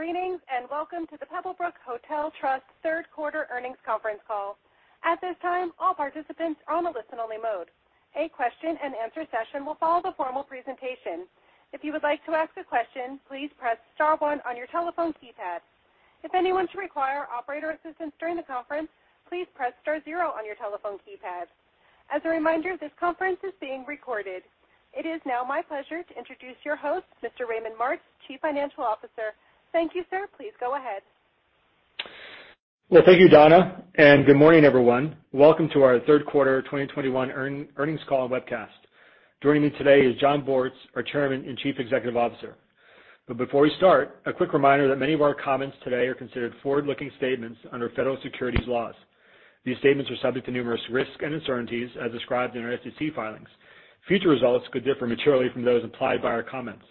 Greetings, and welcome to the Pebblebrook Hotel Trust Q3 Earnings Conference Call. At this time, all participants are on a listen-only mode. A question-and-answer session will follow the formal presentation. If you would like to ask a question, please press star one on your telephone keypad. If anyone should require operator assistance during the conference, please press star zero on your telephone keypad. As a reminder, this conference is being recorded. It is now my pleasure to introduce your host, Mr. Raymond Martz, Chief Financial Officer. Thank you, sir. Please go ahead. Well, thank you, Donna, and good morning, everyone. Welcome to our Q3 2021 Earnings Call and webcast. Joining me today is Jon Bortz, our Chairman and Chief Executive Officer. Before we start, a quick reminder that many of our comments today are considered forward-looking statements under federal securities laws. These statements are subject to numerous risks and uncertainties as described in our SEC filings. Future results could differ materially from those implied by our comments.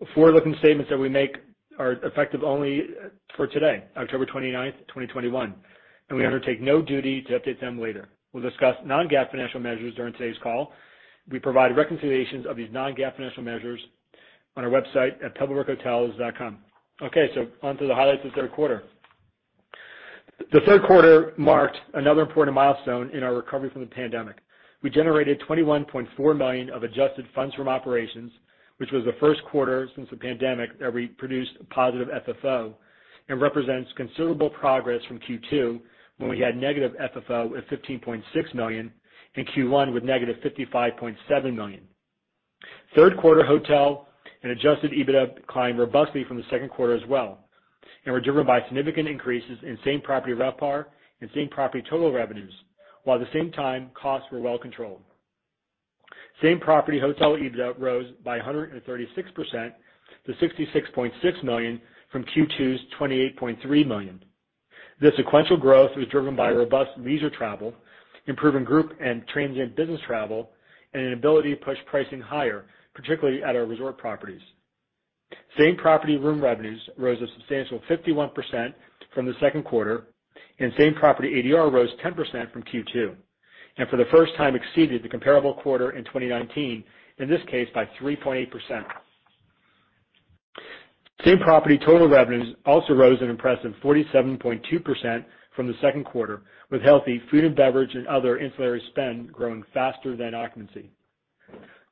The forward-looking statements that we make are effective only for today, October 29th, 2021, and we undertake no duty to update them later. We'll discuss non-GAAP financial measures during today's call. We provide reconciliations of these non-GAAP financial measures on our website at pebblebrookhotels.com. Okay, on to the highlights of the Q3. The Q3 marked another important milestone in our recovery from the pandemic. We generated $21.4 million of adjusted funds from operations, which was the Q1 since the pandemic that we produced a positive FFO and represents considerable progress from Q2, when we had negative FFO of $15.6 million and Q1 with negative $55.7 million. Q3 hotel and adjusted EBITDA climbed robustly from the Q2 as well and were driven by significant increases in same-property RevPAR and same-property total revenues, while at the same time, costs were well controlled. Same-property hotel EBITDA rose by 136% to $66.6 million from Q2's $28.3 million. This sequential growth was driven by robust leisure travel, improving group and transient business travel, and an ability to push pricing higher, particularly at our resort properties. Same-property room revenues rose a substantial 51% from the Q2, and same-property ADR rose 10% from Q2, and for the first time exceeded the comparable quarter in 2019, in this case by 3.8%. Same-property total revenues also rose an impressive 47.2% from the Q2, with healthy food and beverage and other ancillary spend growing faster than occupancy.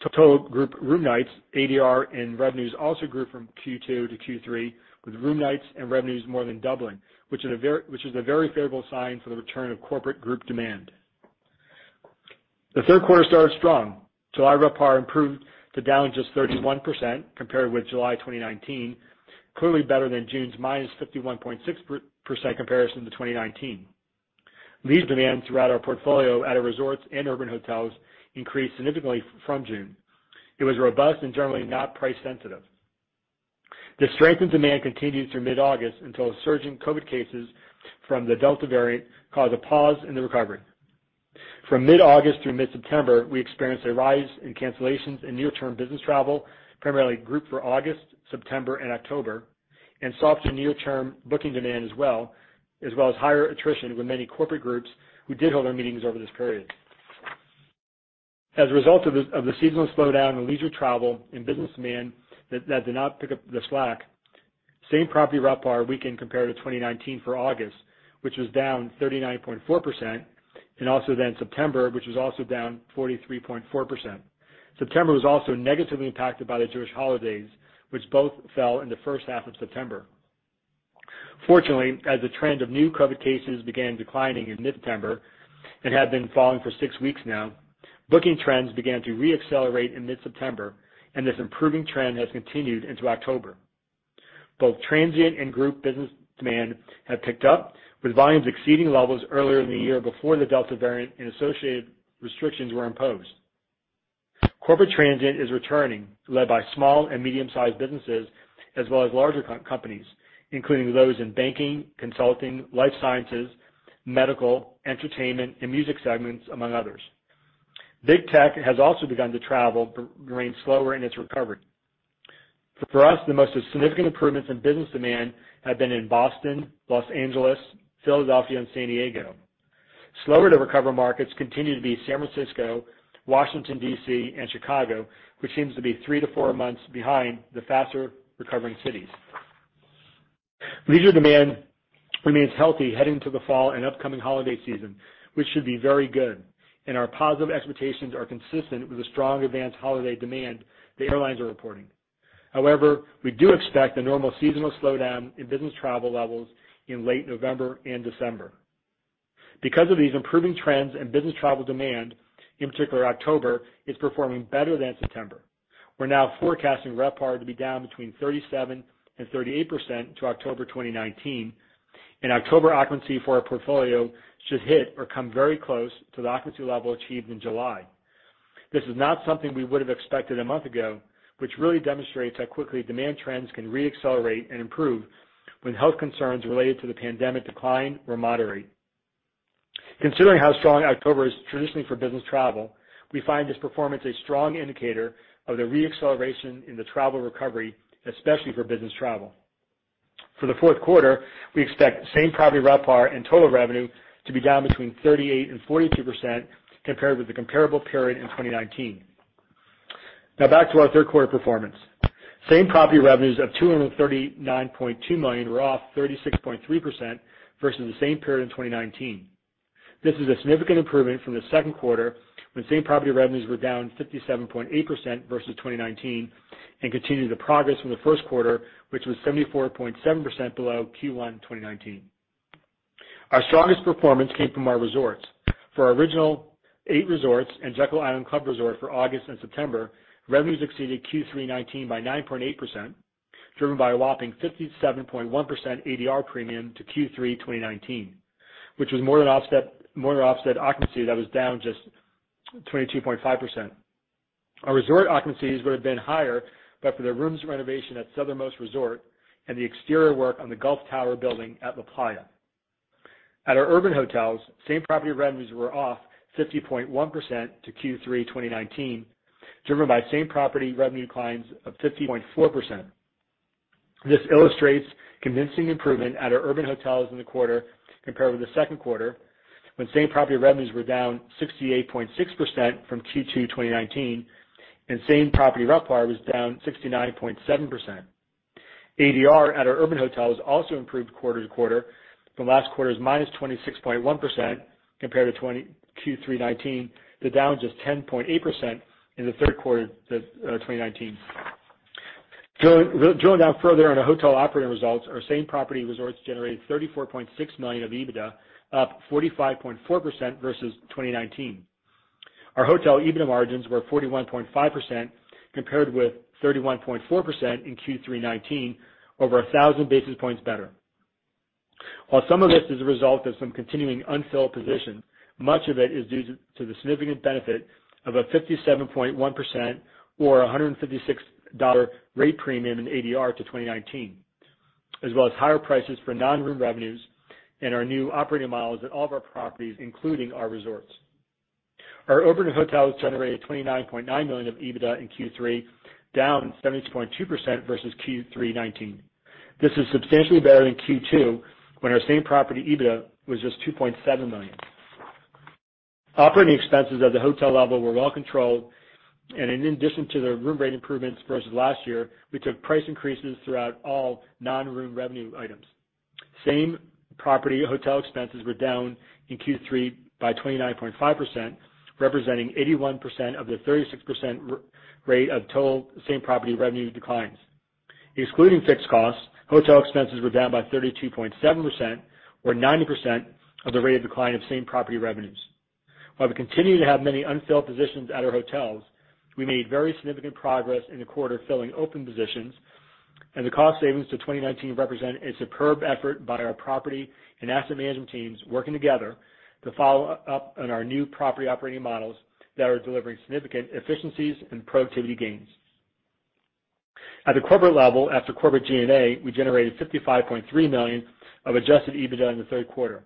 Total group room nights, ADR, and revenues also grew from Q2 to Q3, with room nights and revenues more than doubling, which is a very favorable sign for the return of corporate group demand. The Q3 started strong. July RevPAR improved to down just 31% compared with July 2019, clearly better than June's minus 51.6% comparison to 2019. Leisure demand throughout our portfolio at our resorts and urban hotels increased significantly from June. It was robust and generally not price sensitive. This strengthened demand continued through mid-August until a surge in COVID cases from the Delta variant caused a pause in the recovery. From mid-August through mid-September, we experienced a rise in cancellations in near-term business travel, primarily group for August, September, and October, and softer near-term booking demand as well as higher attrition with many corporate groups who did hold their meetings over this period. As a result of the seasonal slowdown in leisure travel and business demand that did not pick up the slack, same-property RevPAR weakened compared to 2019 for August, which was down 39.4%, and also then September, which was also down 43.4%. September was also negatively impacted by the Jewish holidays, which both fell in the first half of September. Fortunately, as the trend of new COVID cases began declining in mid-September and have been falling for six weeks now, booking trends began to reaccelerate in mid-September, and this improving trend has continued into October. Both transient and group business demand have picked up, with volumes exceeding levels earlier in the year before the Delta variant and associated restrictions were imposed. Corporate transient is returning, led by small and medium-sized businesses, as well as larger companies, including those in banking, consulting, life sciences, medical, entertainment, and music segments, among others. Big tech has also begun to travel but remains slower in its recovery. For us, the most significant improvements in business demand have been in Boston, Los Angeles, Philadelphia, and San Diego. Slower-to-recover markets continue to be San Francisco, Washington, DC, and Chicago, which seems to be 3 to 4 months behind the faster-recovering cities. Leisure demand remains healthy heading into the fall and upcoming holiday season, which should be very good, and our positive expectations are consistent with the strong advanced holiday demand the airlines are reporting. However, we do expect a normal seasonal slowdown in business travel levels in late November and December. Because of these improving trends in business travel demand, in particular October, is performing better than September. We're now forecasting RevPAR to be down between 37% to 38% to October 2019, and October occupancy for our portfolio should hit or come very close to the occupancy level achieved in July. This is not something we would have expected a month ago, which really demonstrates how quickly demand trends can reaccelerate and improve when health concerns related to the pandemic decline or moderate. Considering how strong October is traditionally for business travel, we find this performance a strong indicator of the reacceleration in the travel recovery, especially for business travel. For the Q4, we expect same-property RevPAR and total revenue to be down between 38% and 42% compared with the comparable period in 2019. Now back to our Q3 performance. Same-property revenues of $239.2 million were off 36.3% versus the same period in 2019. This is a significant improvement from the Q2, when same property revenues were down 57.8% versus 2019 and continued the progress from the Q1, which was 74.7% below Q1 2019. Our strongest performance came from our resorts. For our original 8 resorts and Jekyll Island Club Resort for August and September, revenues exceeded Q3 2019 by 9.8%, driven by a whopping 57.1% ADR premium to Q3 2019, which more than offset occupancy that was down just 22.5%. Our resort occupancies would have been higher but for the rooms renovation at Southernmost Resort and the exterior work on the Gulf Tower building at LaPlaya. At our urban hotels, same property revenues were off 50.1% to Q3 2019, driven by same property revenue declines of 50.4%. This illustrates convincing improvement at our urban hotels in the quarter compared with the Q2, when same property revenues were down 68.6% from Q2 2019 and same property RevPAR was down 69.7%. ADR at our urban hotels also improved quarter to quarter from last quarter's -26.1% compared to Q3 2019 to down just 10.8% in the Q3 to 2019. Drill down further on our hotel operating results. Our same property resorts generated $34.6 million of EBITDA, up 45.4% versus 2019. Our hotel EBITDA margins were 41.5% compared with 31.4% in Q3 2019, over 1,000 basis points better. While some of this is a result of some continuing unfilled positions, much of it is due to the significant benefit of a 57.1% or $156 rate premium in ADR to 2019, as well as higher prices for non-room revenues and our new operating models at all of our properties, including our resorts. Our urban hotels generated $29.9 million of EBITDA in Q3 2019, down 70.2% versus Q3 2019. This is substantially better than Q2, when our same property EBITDA was just $2.7 million. Operating expenses at the hotel level were well controlled, and in addition to the room rate improvements versus last year, we took price increases throughout all non-room revenue items. Same property hotel expenses were down in Q3 by 29.5%, representing 81% of the 36% rate of total same property revenue declines. Excluding fixed costs, hotel expenses were down by 32.7% or 90% of the rate of decline of same property revenues. While we continue to have many unfilled positions at our hotels, we made very significant progress in the quarter filling open positions and the cost savings to 2019 represent a superb effort by our property and asset management teams working together to follow up on our new property operating models that are delivering significant efficiencies and productivity gains. At the corporate level, after corporate G&A, we generated $55.3 million of adjusted EBITDA in the Q3.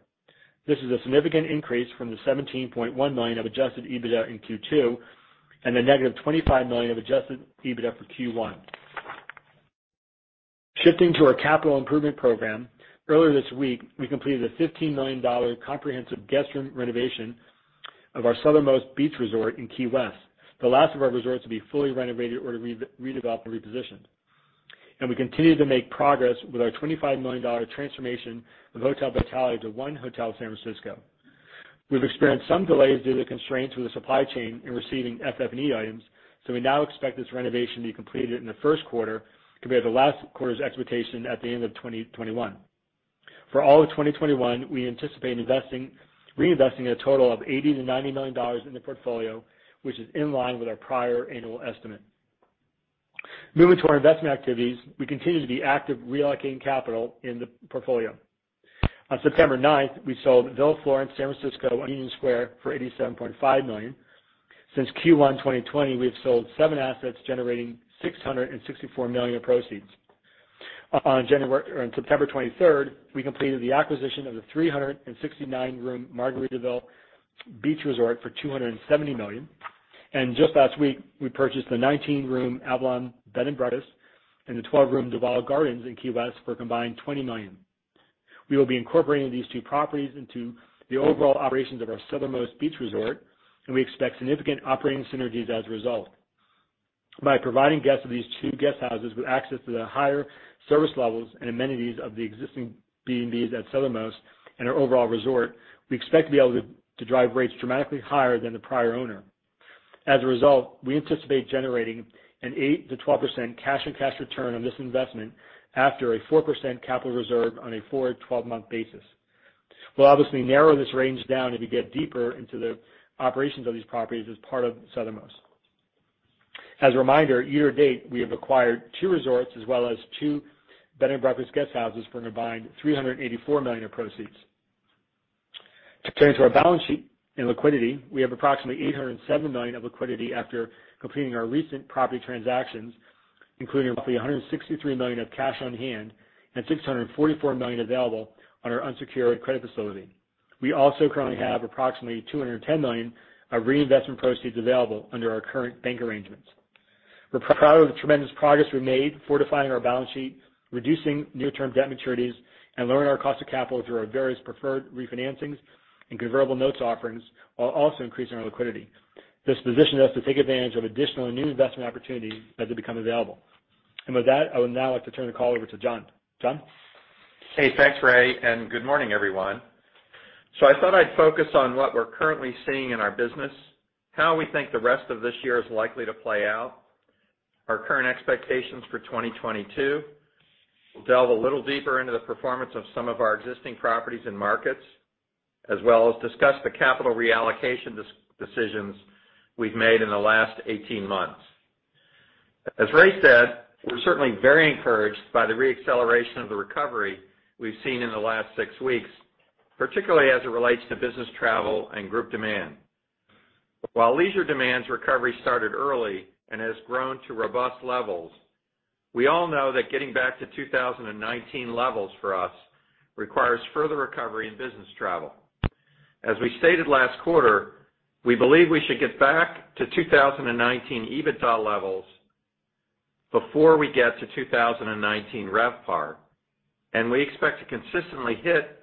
This is a significant increase from the $17.1 million of adjusted EBITDA in Q2, and a negative $25 million of adjusted EBITDA for Q1. Shifting to our capital improvement program, earlier this week, we completed a $15 million comprehensive guest room renovation of our Southernmost Beach Resort in Key West, the last of our resorts to be fully renovated or to re-redeveloped or repositioned. We continue to make progress with our $25 million transformation of Hotel Vitale to 1 Hotel San Francisco. We've experienced some delays due to constraints with the supply chain in receiving FF&E items, so we now expect this renovation to be completed in the Q1 compared to last quarter's expectation at the end of 2021. For all of 2021, we anticipate reinvesting a total of $80 to 90 million in the portfolio, which is in line with our prior annual estimate. Moving to our investment activities, we continue to be active reallocating capital in the portfolio. On September 9th, we sold Villa Florence San Francisco on Union Square for $87.5 million. Since Q1 2020, we have sold seven assets, generating $664 million in proceeds. On September 23rd, we completed the acquisition of the 369-room Margaritaville Beach Resort for $270 million. Just last week, we purchased the 19-room Avalon Bed and Breakfast and the 12-room Duval Gardens in Key West for a combined $20 million. We will be incorporating these two properties into the overall operations of our Southernmost Beach Resort, and we expect significant operating synergies as a result. By providing guests of these two guest houses with access to the higher service levels and amenities of the existing B&Bs at Southernmost and our overall resort, we expect to be able to drive rates dramatically higher than the prior owner. As a result, we anticipate generating an 8% to 12% cash on cash return on this investment after a 4% capital reserve on a forward 12-month basis. We'll obviously narrow this range down as we get deeper into the operations of these properties as part of Southernmost. As a reminder, year to date, we have acquired 2 resorts as well as 2 bed and breakfast guest houses for a combined $384 million of proceeds. Turning to our balance sheet and liquidity, we have approximately $807 million of liquidity after completing our recent property transactions, including roughly $163 million of cash on hand and $644 million available on our unsecured credit facility. We also currently have approximately $210 million of reinvestment proceeds available under our current bank arrangements. We're proud of the tremendous progress we've made fortifying our balance sheet, reducing near-term debt maturities, and lowering our cost of capital through our various preferred refinancings and convertible notes offerings, while also increasing our liquidity. This positions us to take advantage of additional new investment opportunities as they become available. With that, I would now like to turn the call over to Jon. Jon? Hey. Thanks, Ray, and good morning, everyone. I thought I'd focus on what we're currently seeing in our business, how we think the rest of this year is likely to play out, our current expectations for 2022. We'll delve a little deeper into the performance of some of our existing properties and markets, as well as discuss the capital reallocation decisions we've made in the last 18 months. As Ray said, we're certainly very encouraged by the re-acceleration of the recovery we've seen in the last six weeks, particularly as it relates to business travel and group demand. While leisure demand's recovery started early and has grown to robust levels, we all know that getting back to 2019 levels for us requires further recovery in business travel. As we stated last quarter, we believe we should get back to 2019 EBITDA levels before we get to 2019 RevPAR, and we expect to consistently hit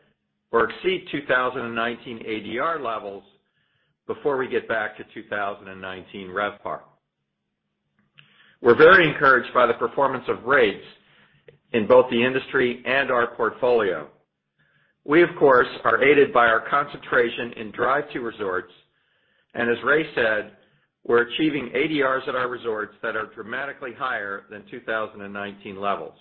or exceed 2019 ADR levels before we get back to 2019 RevPAR. We're very encouraged by the performance of rates in both the industry and our portfolio. We, of course, are aided by our concentration in drive-to resorts, and as Ray said, we're achieving ADRs at our resorts that are dramatically higher than 2019 levels.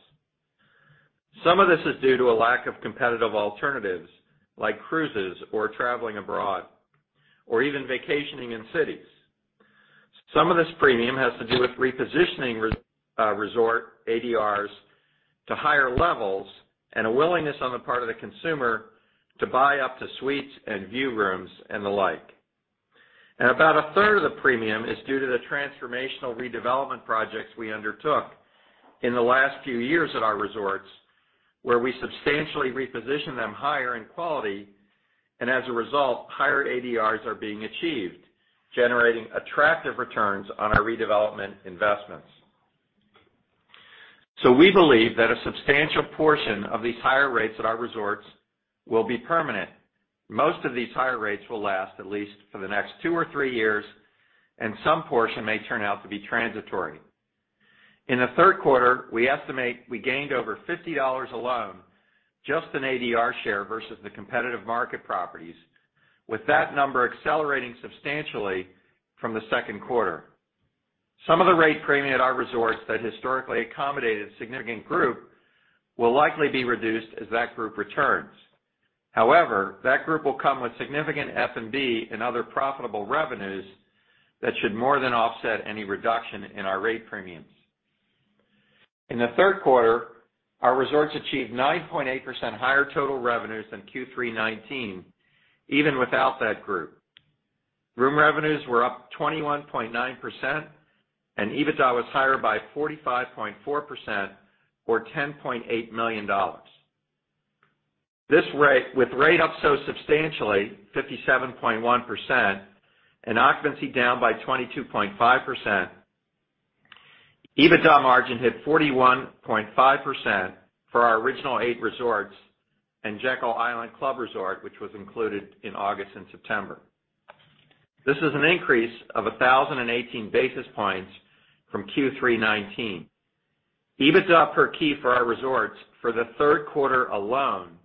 Some of this is due to a lack of competitive alternatives, like cruises or traveling abroad, or even vacationing in cities. Some of this premium has to do with repositioning resort ADRs to higher levels and a willingness on the part of the consumer to buy up to suites and view rooms and the like. About a third of the premium is due to the transformational redevelopment projects we undertook in the last few years at our resorts, where we substantially reposition them higher in quality, and as a result, higher ADRs are being achieved, generating attractive returns on our redevelopment investments. We believe that a substantial portion of these higher rates at our resorts will be permanent. Most of these higher rates will last at least for the next two or three years, and some portion may turn out to be transitory. In the Q3, we estimate we gained over $50 alone, just in ADR share versus the competitive market properties, with that number accelerating substantially from the Q2. Some of the rate premium at our resorts that historically accommodated a significant group will likely be reduced as that group returns. However, that group will come with significant F&B and other profitable revenues that should more than offset any reduction in our rate premiums. In the Q3, our resorts achieved 9.8% higher total revenues than Q3 2019, even without that group. Room revenues were up 21.9%, and EBITDA was higher by 45.4% or $10.8 million. With rate up so substantially, 57.1%, and occupancy down by 22.5%, EBITDA margin hit 41.5% for our original eight resorts and Jekyll Island Club Resort, which was included in August and September. This is an increase of 1,018 basis points from Q3 2019. EBITDA per key for our resorts for the Q3 alone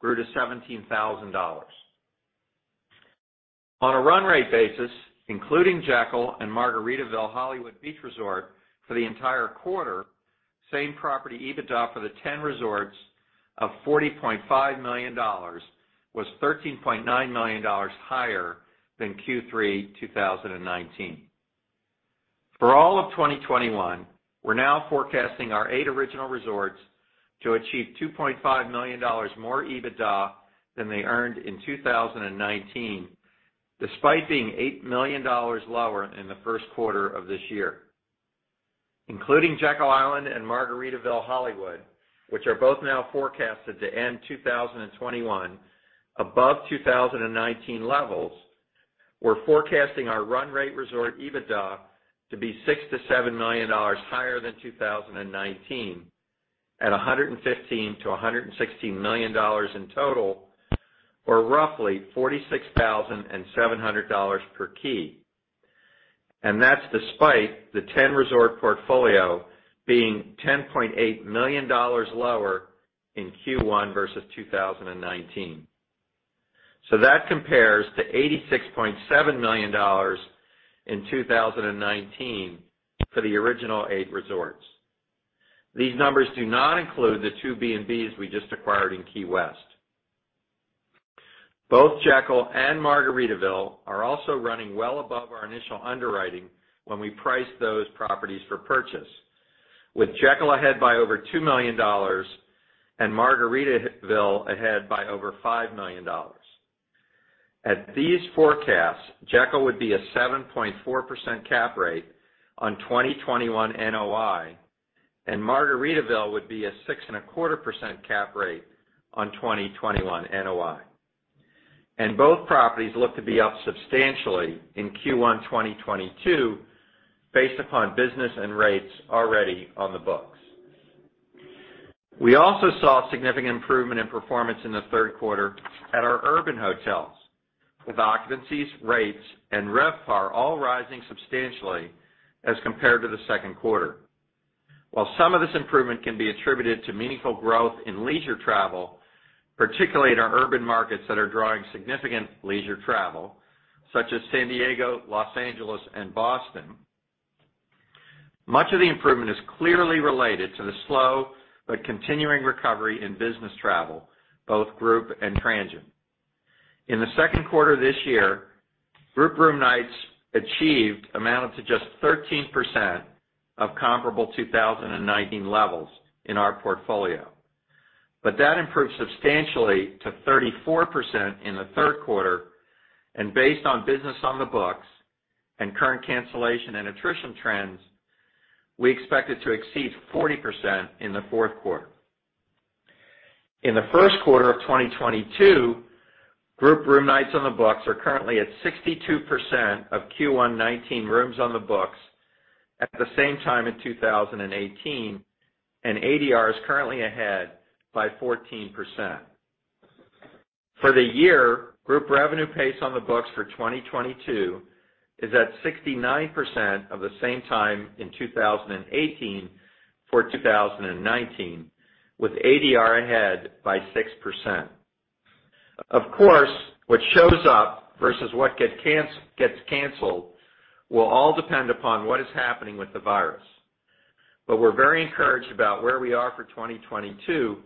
grew to $17,000. On a run rate basis, including Jekyll and Margaritaville Hollywood Beach Resort for the entire quarter, same property EBITDA for the 10 resorts of $40.5 million was $13.9 million higher than Q3 2019. For all of 2021, we're now forecasting our 8 original resorts to achieve $2.5 million more EBITDA than they earned in 2019, despite being $8 million lower in the Q1 of this year. Including Jekyll Island and Margaritaville Hollywood, which are both now forecasted to end 2021 above 2019 levels, we're forecasting our run rate resort EBITDA to be $6 to 7 million higher than 2019, at $115 to 116 million in total, or roughly $46,700 per key. That's despite the 10-resort portfolio being $10.8 million lower in Q1 versus 2019. That compares to $86.7 million in 2019 for the original 8 resorts. These numbers do not include the 2 B&Bs we just acquired in Key West. Both Jekyll and Margaritaville are also running well above our initial underwriting when we priced those properties for purchase, with Jekyll ahead by over $2 million and Margaritaville ahead by over $5 million. At these forecasts, Jekyll would be a 7.4% cap rate on 2021 NOI, and Margaritaville would be a 6.4% cap rate on 2021 NOI. Both properties look to be up substantially in Q1 2022 based upon business and rates already on the books. We also saw significant improvement in performance in the Q3 at our urban hotels, with occupancies, rates, and RevPAR all rising substantially as compared to the Q2. While some of this improvement can be attributed to meaningful growth in leisure travel, particularly in our urban markets that are drawing significant leisure travel, such as San Diego, Los Angeles, and Boston, much of the improvement is clearly related to the slow but continuing recovery in business travel, both group and transient. In the Q2 this year, group room nights achieved amounted to just 13% of comparable 2019 levels in our portfolio. That improved substantially to 34% in the Q3, and based on business on the books and current cancellation and attrition trends, we expect it to exceed 40% in the Q4. In the Q1 of 2022, group room nights on the books are currently at 62% of Q1 2019 rooms on the books at the same time in 2018, and ADR is currently ahead by 14%. For the year, group revenue pace on the books for 2022 is at 69% of the same time in 2018 for 2019, with ADR ahead by 6%. Of course, what shows up versus what gets canceled will all depend upon what is happening with the virus. We're very encouraged about where we are for 2022,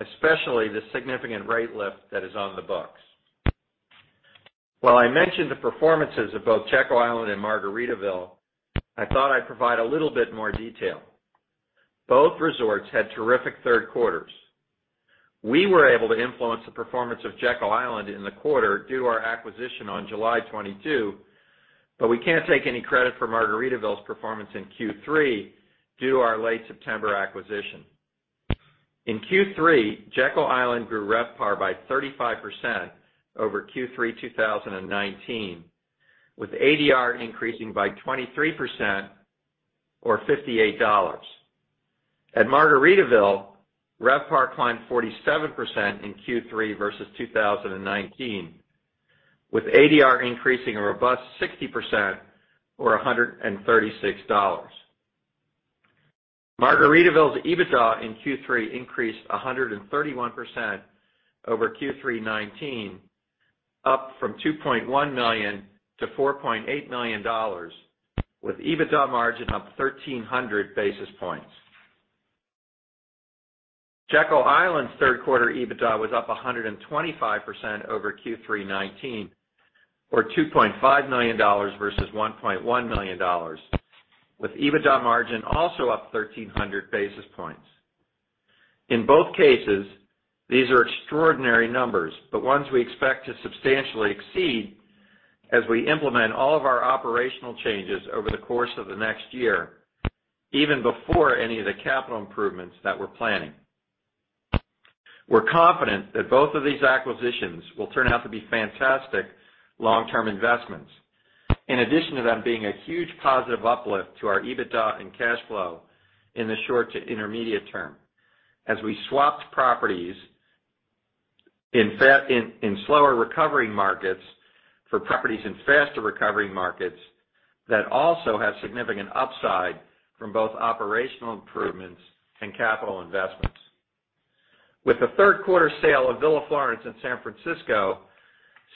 especially the significant rate lift that is on the books. While I mentioned the performances of both Jekyll Island and Margaritaville, I thought I'd provide a little bit more detail. Both resorts had terrific Q3s. We were able to influence the performance of Jekyll Island in the quarter due to our acquisition on July 22, but we can't take any credit for Margaritaville's performance in Q3 due to our late September acquisition. In Q3, Jekyll Island grew RevPAR by 35% over Q3 2019, with ADR increasing by 23% or $58. At Margaritaville, RevPAR climbed 47% in Q3 versus 2019, with ADR increasing a robust 60% or $136. Margaritaville's EBITDA in Q3 increased 131% over Q3 2019, up from $2.1 million to $4.8 million, with EBITDA margin up 1,300 basis points. Jekyll Island's Q3 EBITDA was up 125% over Q3 2019, or $2.5 million versus $1.1 million, with EBITDA margin also up 1,300 basis points. In both cases, these are extraordinary numbers, but ones we expect to substantially exceed as we implement all of our operational changes over the course of the next year, even before any of the capital improvements that we're planning. We're confident that both of these acquisitions will turn out to be fantastic long-term investments. In addition to them being a huge positive uplift to our EBITDA and cash flow in the short to intermediate term as we swapped properties in slower recovery markets for properties in faster recovery markets that also have significant upside from both operational improvements and capital investments. With the Q3 sale of Villa Florence in San Francisco,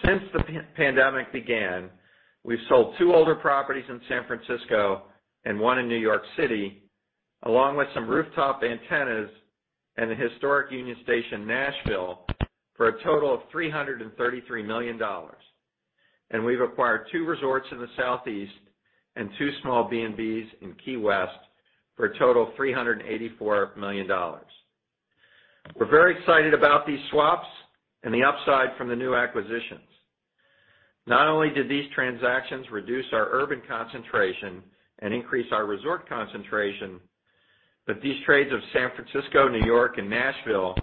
since the pandemic began, we've sold two older properties in San Francisco and one in New York City, along with some rooftop antennas and the historic Union Station Nashville for a total of $333 million. We've acquired two resorts in the Southeast and two small B&Bs in Key West for a total of $384 million. We're very excited about these swaps and the upside from the new acquisitions. Not only did these transactions reduce our urban concentration and increase our resort concentration, but these trades of San Francisco, New York, and Nashville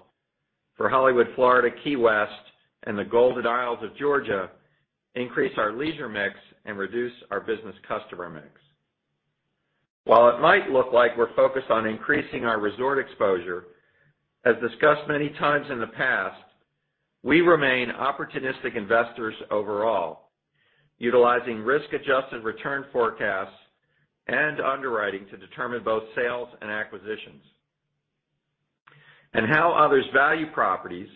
for Hollywood, Florida, Key West, and the Golden Isles of Georgia increase our leisure mix and reduce our business customer mix. While it might look like we're focused on increasing our resort exposure, as discussed many times in the past, we remain opportunistic investors overall, utilizing risk-adjusted return forecasts and underwriting to determine both sales and acquisitions. How others value properties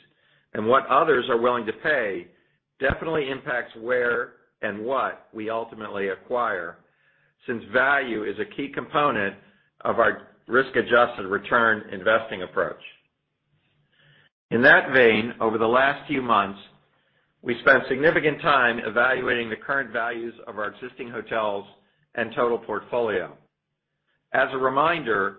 and what others are willing to pay definitely impacts where and what we ultimately acquire since value is a key component of our risk-adjusted return investing approach. In that vein, over the last few months, we spent significant time evaluating the current values of our existing hotels and total portfolio. As a reminder,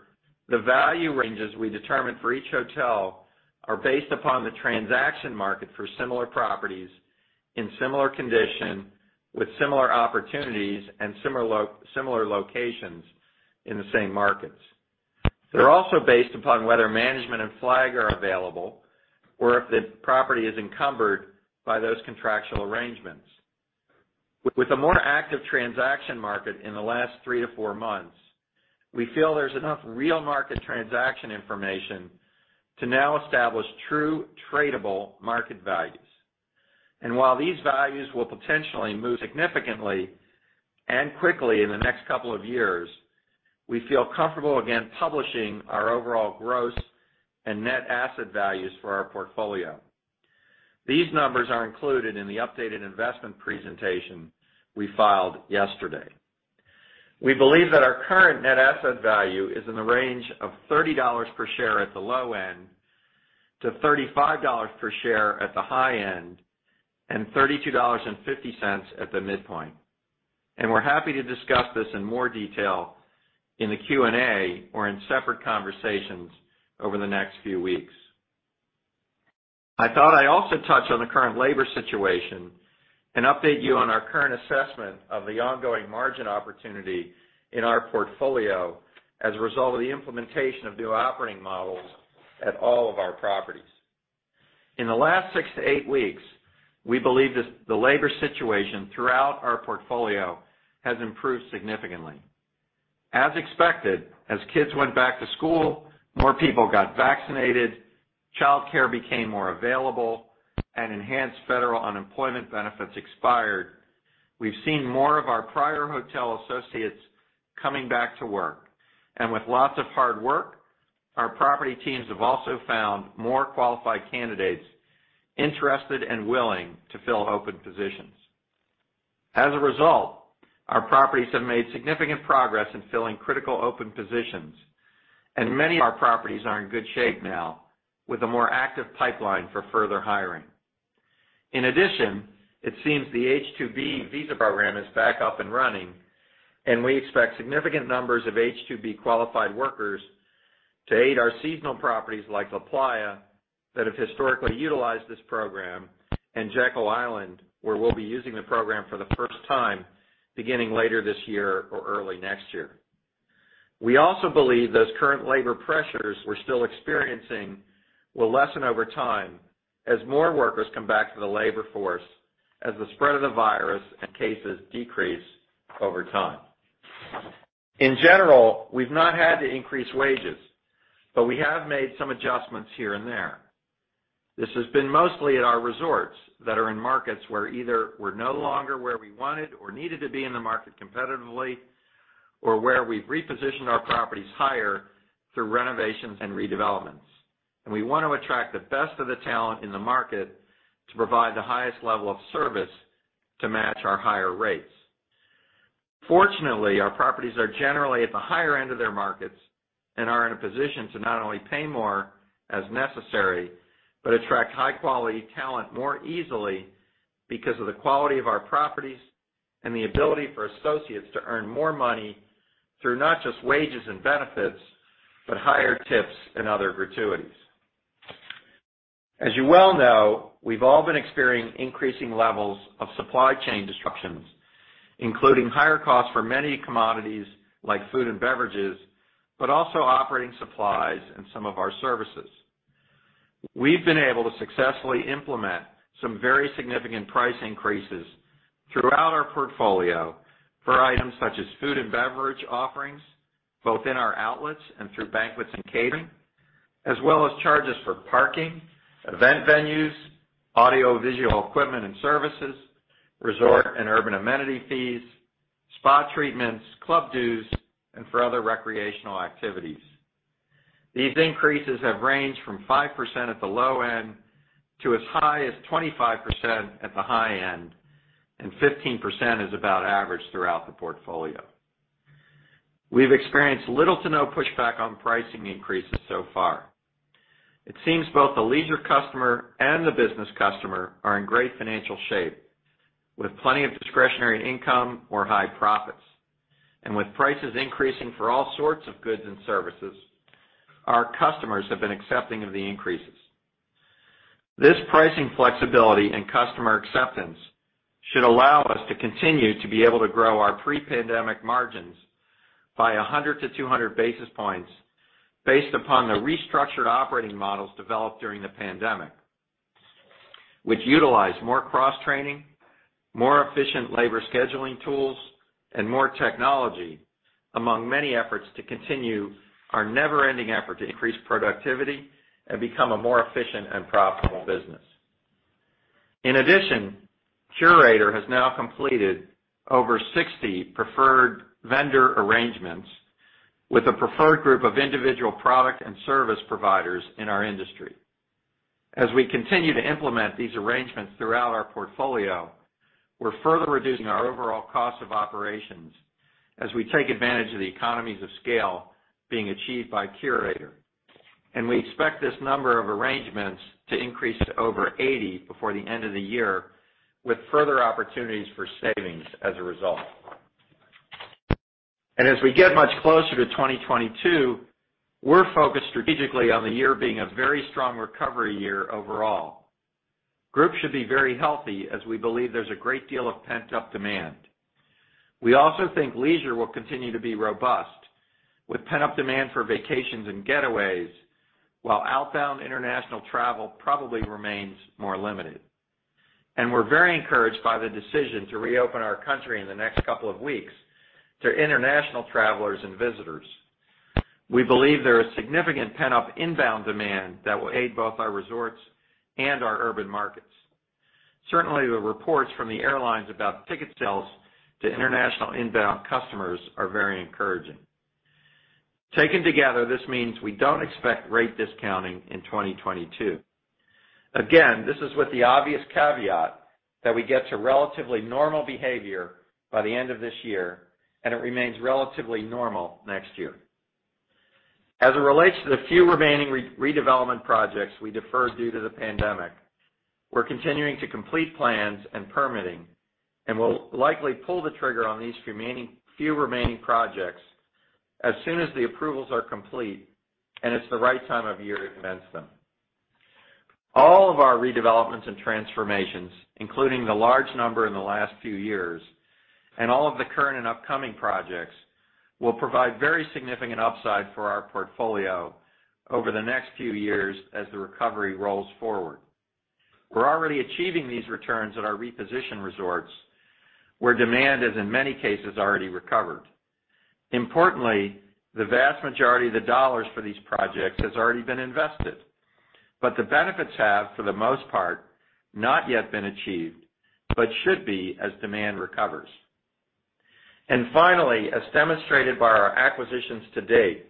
the value ranges we determine for each hotel are based upon the transaction market for similar properties in similar condition with similar opportunities and similar locations in the same markets. They're also based upon whether management and flag are available or if the property is encumbered by those contractual arrangements. With the more active transaction market in the last 3 to 4 months, we feel there's enough real market transaction information to now establish true tradable market values. While these values will potentially move significantly and quickly in the next couple of years, we feel comfortable again publishing our overall gross and net asset values for our portfolio. These numbers are included in the updated investment presentation we filed yesterday. We believe that our current net asset value is in the range of $30 per share at the low end, to $35 per share at the high end, and $32.50 at the midpoint. We're happy to discuss this in more detail in the Q&A or in separate conversations over the next few weeks. I thought I'd also touch on the current labor situation and update you on our current assessment of the ongoing margin opportunity in our portfolio as a result of the implementation of new operating models at all of our properties. In the last 6 to 8 weeks, we believe this, the labor situation throughout our portfolio has improved significantly. As expected, as kids went back to school, more people got vaccinated, childcare became more available and enhanced federal unemployment benefits expired. We've seen more of our prior hotel associates coming back to work. With lots of hard work, our property teams have also found more qualified candidates interested and willing to fill open positions. As a result, our properties have made significant progress in filling critical open positions, and many of our properties are in good shape now with a more active pipeline for further hiring. In addition, it seems the H-2B visa program is back up and running, and we expect significant numbers of H-2B qualified workers to aid our seasonal properties like LaPlaya that have historically utilized this program, and Jekyll Island, where we'll be using the program for the first time beginning later this year or early next year. We also believe those current labor pressures we're still experiencing will lessen over time as more workers come back to the labor force as the spread of the virus and cases decrease over time. In general, we've not had to increase wages, but we have made some adjustments here and there. This has been mostly at our resorts that are in markets where either we're no longer where we wanted or needed to be in the market competitively, or where we've repositioned our properties higher through renovations and redevelopments. We want to attract the best of the talent in the market to provide the highest level of service to match our higher rates. Fortunately, our properties are generally at the higher end of their markets and are in a position to not only pay more as necessary, but attract high-quality talent more easily because of the quality of our properties and the ability for associates to earn more money through not just wages and benefits, but higher tips and other gratuities. As you well know, we've all been experiencing increasing levels of supply chain disruptions, including higher costs for many commodities like food and beverages, but also operating supplies and some of our services. We've been able to successfully implement some very significant price increases throughout our portfolio for items such as food and beverage offerings, both in our outlets and through banquets and catering, as well as charges for parking, event venues, audio-visual equipment and services, resort and urban amenity fees, spa treatments, club dues, and for other recreational activities. These increases have ranged from 5% at the low end to as high as 25% at the high end, and 15% is about average throughout the portfolio. We've experienced little to no pushback on pricing increases so far. It seems both the leisure customer and the business customer are in great financial shape, with plenty of discretionary income or high profits. With prices increasing for all sorts of goods and services, our customers have been accepting of the increases. This pricing flexibility and customer acceptance should allow us to continue to be able to grow our pre-pandemic margins by 100 to 200 basis points based upon the restructured operating models developed during the pandemic, which utilize more cross-training, more efficient labor scheduling tools, and more technology among many efforts to continue our never-ending effort to increase productivity and become a more efficient and profitable business. In addition, Curator has now completed over 60 preferred vendor arrangements with a preferred group of individual product and service providers in our industry. As we continue to implement these arrangements throughout our portfolio, we're further reducing our overall cost of operations as we take advantage of the economies of scale being achieved by Curator. We expect this number of arrangements to increase to over 80 before the end of the year with further opportunities for savings as a result. As we get much closer to 2022, we're focused strategically on the year being a very strong recovery year overall. Groups should be very healthy as we believe there's a great deal of pent-up demand. We also think leisure will continue to be robust with pent-up demand for vacations and getaways, while outbound international travel probably remains more limited. We're very encouraged by the decision to reopen our country in the next couple of weeks to international travelers and visitors. We believe there is significant pent-up inbound demand that will aid both our resorts and our urban markets. Certainly, the reports from the airlines about ticket sales to international inbound customers are very encouraging. Taken together, this means we don't expect rate discounting in 2022. Again, this is with the obvious caveat that we get to relatively normal behavior by the end of this year, and it remains relatively normal next year. As it relates to the few remaining redevelopment projects we deferred due to the pandemic, we're continuing to complete plans and permitting, and we'll likely pull the trigger on these few remaining projects as soon as the approvals are complete and it's the right time of year to commence them. All of our redevelopments and transformations, including the large number in the last few years, and all of the current and upcoming projects, will provide very significant upside for our portfolio over the next few years as the recovery rolls forward. We're already achieving these returns at our repositioned resorts, where demand is, in many cases, already recovered. Importantly, the vast majority of the dollars for these projects has already been invested, but the benefits have, for the most part, not yet been achieved but should be as demand recovers. Finally, as demonstrated by our acquisitions to date,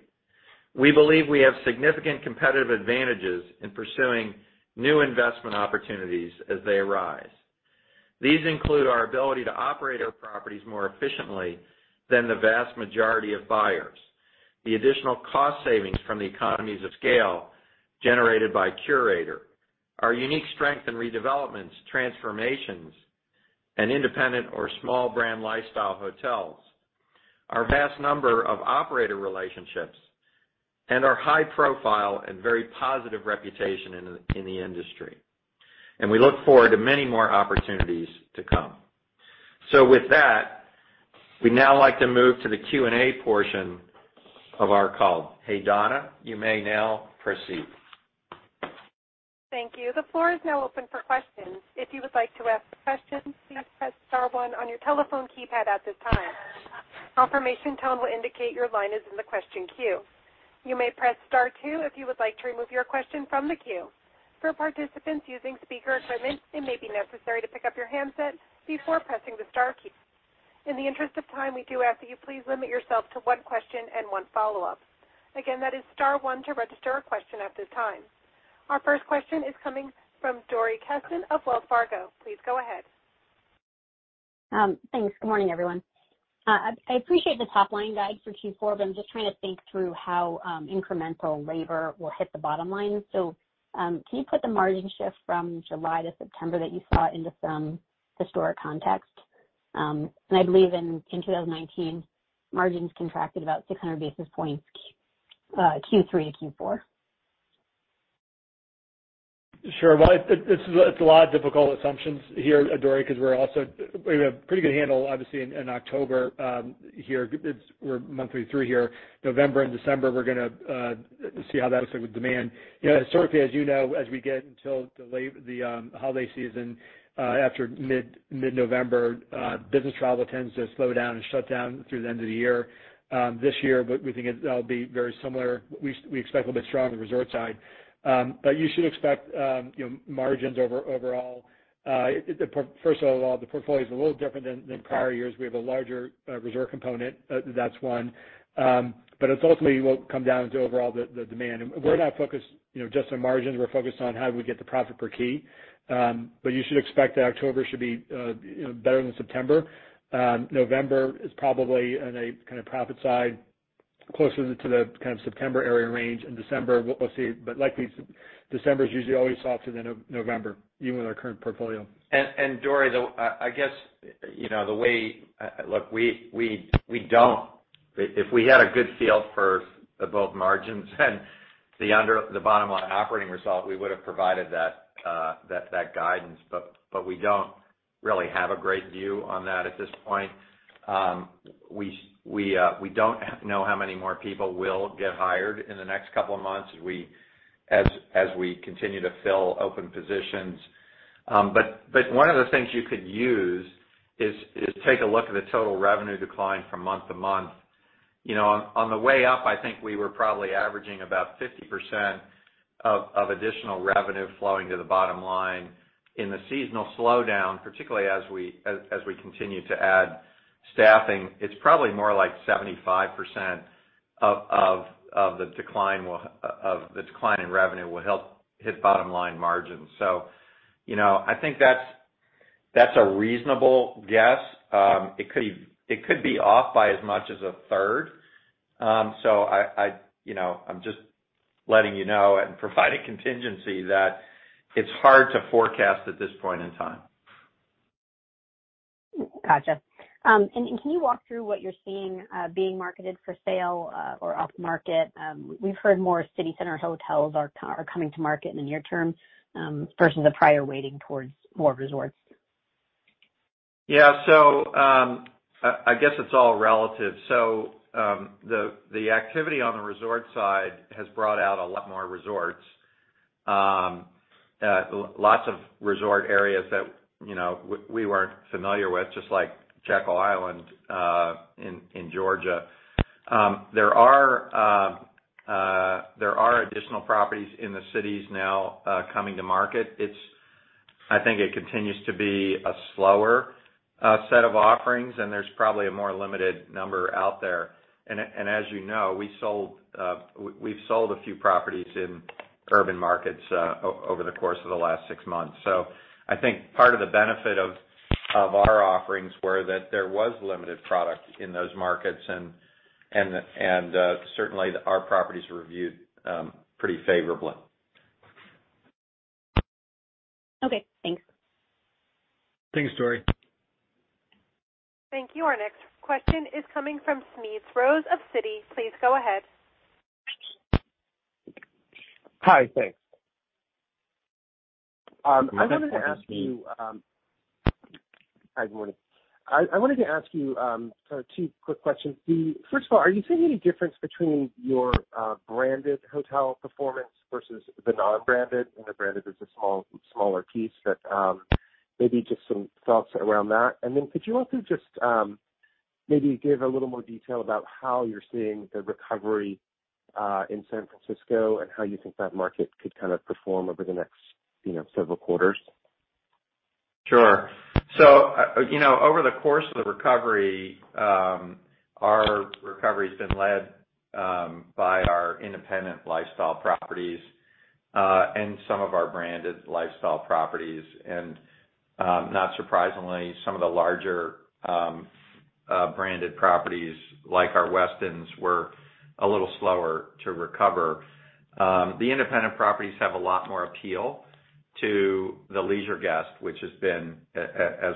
we believe we have significant competitive advantages in pursuing new investment opportunities as they arise. These include our ability to operate our properties more efficiently than the vast majority of buyers, the additional cost savings from the economies of scale generated by Curator, our unique strength in redevelopments, transformations, and independent or small brand lifestyle hotels, our vast number of operator relationships, and our high profile and very positive reputation in the industry. We look forward to many more opportunities to come. With that, we'd now like to move to the Q&A portion of our call. Hey, Donna, you may now proceed. Thank you. The floor is now open for questions. If you would like to ask a question, please press star one on your telephone keypad at this time. Confirmation tone will indicate your line is in the question queue. You may press star two if you would like to remove your question from the queue. For participants using speaker equipment, it may be necessary to pick up your handset before pressing the star key. In the interest of time, we do ask that you please limit yourself to one question and one follow-up. Again, that is star one to register a question at this time. Our first question is coming from Dori Kesten of Wells Fargo. Please go ahead. Thanks. Good morning, everyone. I appreciate the top-line guide for Q4, but I'm just trying to think through how incremental labor will hit the bottom line. Can you put the margin shift from July to September that you saw into some historic context? I believe in 2019, margins contracted about 600 basis points, Q3 to Q4. Sure. Well, it's a lot of difficult assumptions here, Dori, because we also have a pretty good handle, obviously, in October here. We're month three here. November and December, we're going to see how that looks like with demand. You know, historically, as you know, as we get into the late holiday season after mid-November, business travel tends to slow down and shut down through the end of the year this year, but we think it will be very similar. We expect a little bit stronger resort side. But you should expect, you know, margins overall. First of all, the portfolio is a little different than prior years. We have a larger resort component. That's one. It's ultimately what will come down to overall the demand. We're not focused, you know, just on margins. We're focused on how do we get the profit per key. You should expect that October should be, you know, better than September. November is probably on a kind of profit side closer to the kind of September area range. In December, we'll see, but likely December is usually always softer than November, even with our current portfolio. Dori, I guess you know the way. Look, we don't. If we had a good feel for both margins and the bottom line operating result, we would have provided that guidance, but we don't really have a great view on that at this point. We don't know how many more people will get hired in the next couple of months as we continue to fill open positions. But one of the things you could use is take a look at the total revenue decline from month-to-month. You know, on the way up, I think we were probably averaging about 50% of additional revenue flowing to the bottom line. In the seasonal slowdown, particularly as we continue to add staffing, it's probably more like 75% of the decline in revenue will help hit bottom line margins. You know, I think that's a reasonable guess. It could be off by as much as a third. I you know, I'm just letting you know and provide a contingency that it's hard to forecast at this point in time. Gotcha. Can you walk through what you're seeing being marketed for sale or off market? We've heard more city center hotels are coming to market in the near term versus a prior weighting towards more resorts. I guess it's all relative. The activity on the resort side has brought out a lot more resorts. Lots of resort areas that, you know, we weren't familiar with, just like Jekyll Island in Georgia. There are additional properties in the cities now coming to market. It's, I think, a slower set of offerings, and there's probably a more limited number out there. As you know, we've sold a few properties in urban markets over the course of the last six months. I think part of the benefit of our offerings were that there was limited product in those markets and certainly our properties were viewed pretty favorably. Okay, thanks. Thanks, Dori. Thank you. Our next question is coming from Smedes Rose of Citi. Please go ahead. Hi, good morning. I wanted to ask you sort of two quick questions. First of all, are you seeing any difference between your branded hotel performance versus the non-branded? I know branded is a small, smaller piece, but maybe just some thoughts around that. Could you also just maybe give a little more detail about how you're seeing the recovery in San Francisco and how you think that market could kind of perform over the next, you know, several quarters? Sure. So, you know, over the course of the recovery, our recovery's been led by our independent lifestyle properties and some of our branded lifestyle properties. Not surprisingly, some of the larger branded properties like our Westin were a little slower to recover. The independent properties have a lot more appeal to the leisure guest, which has been, as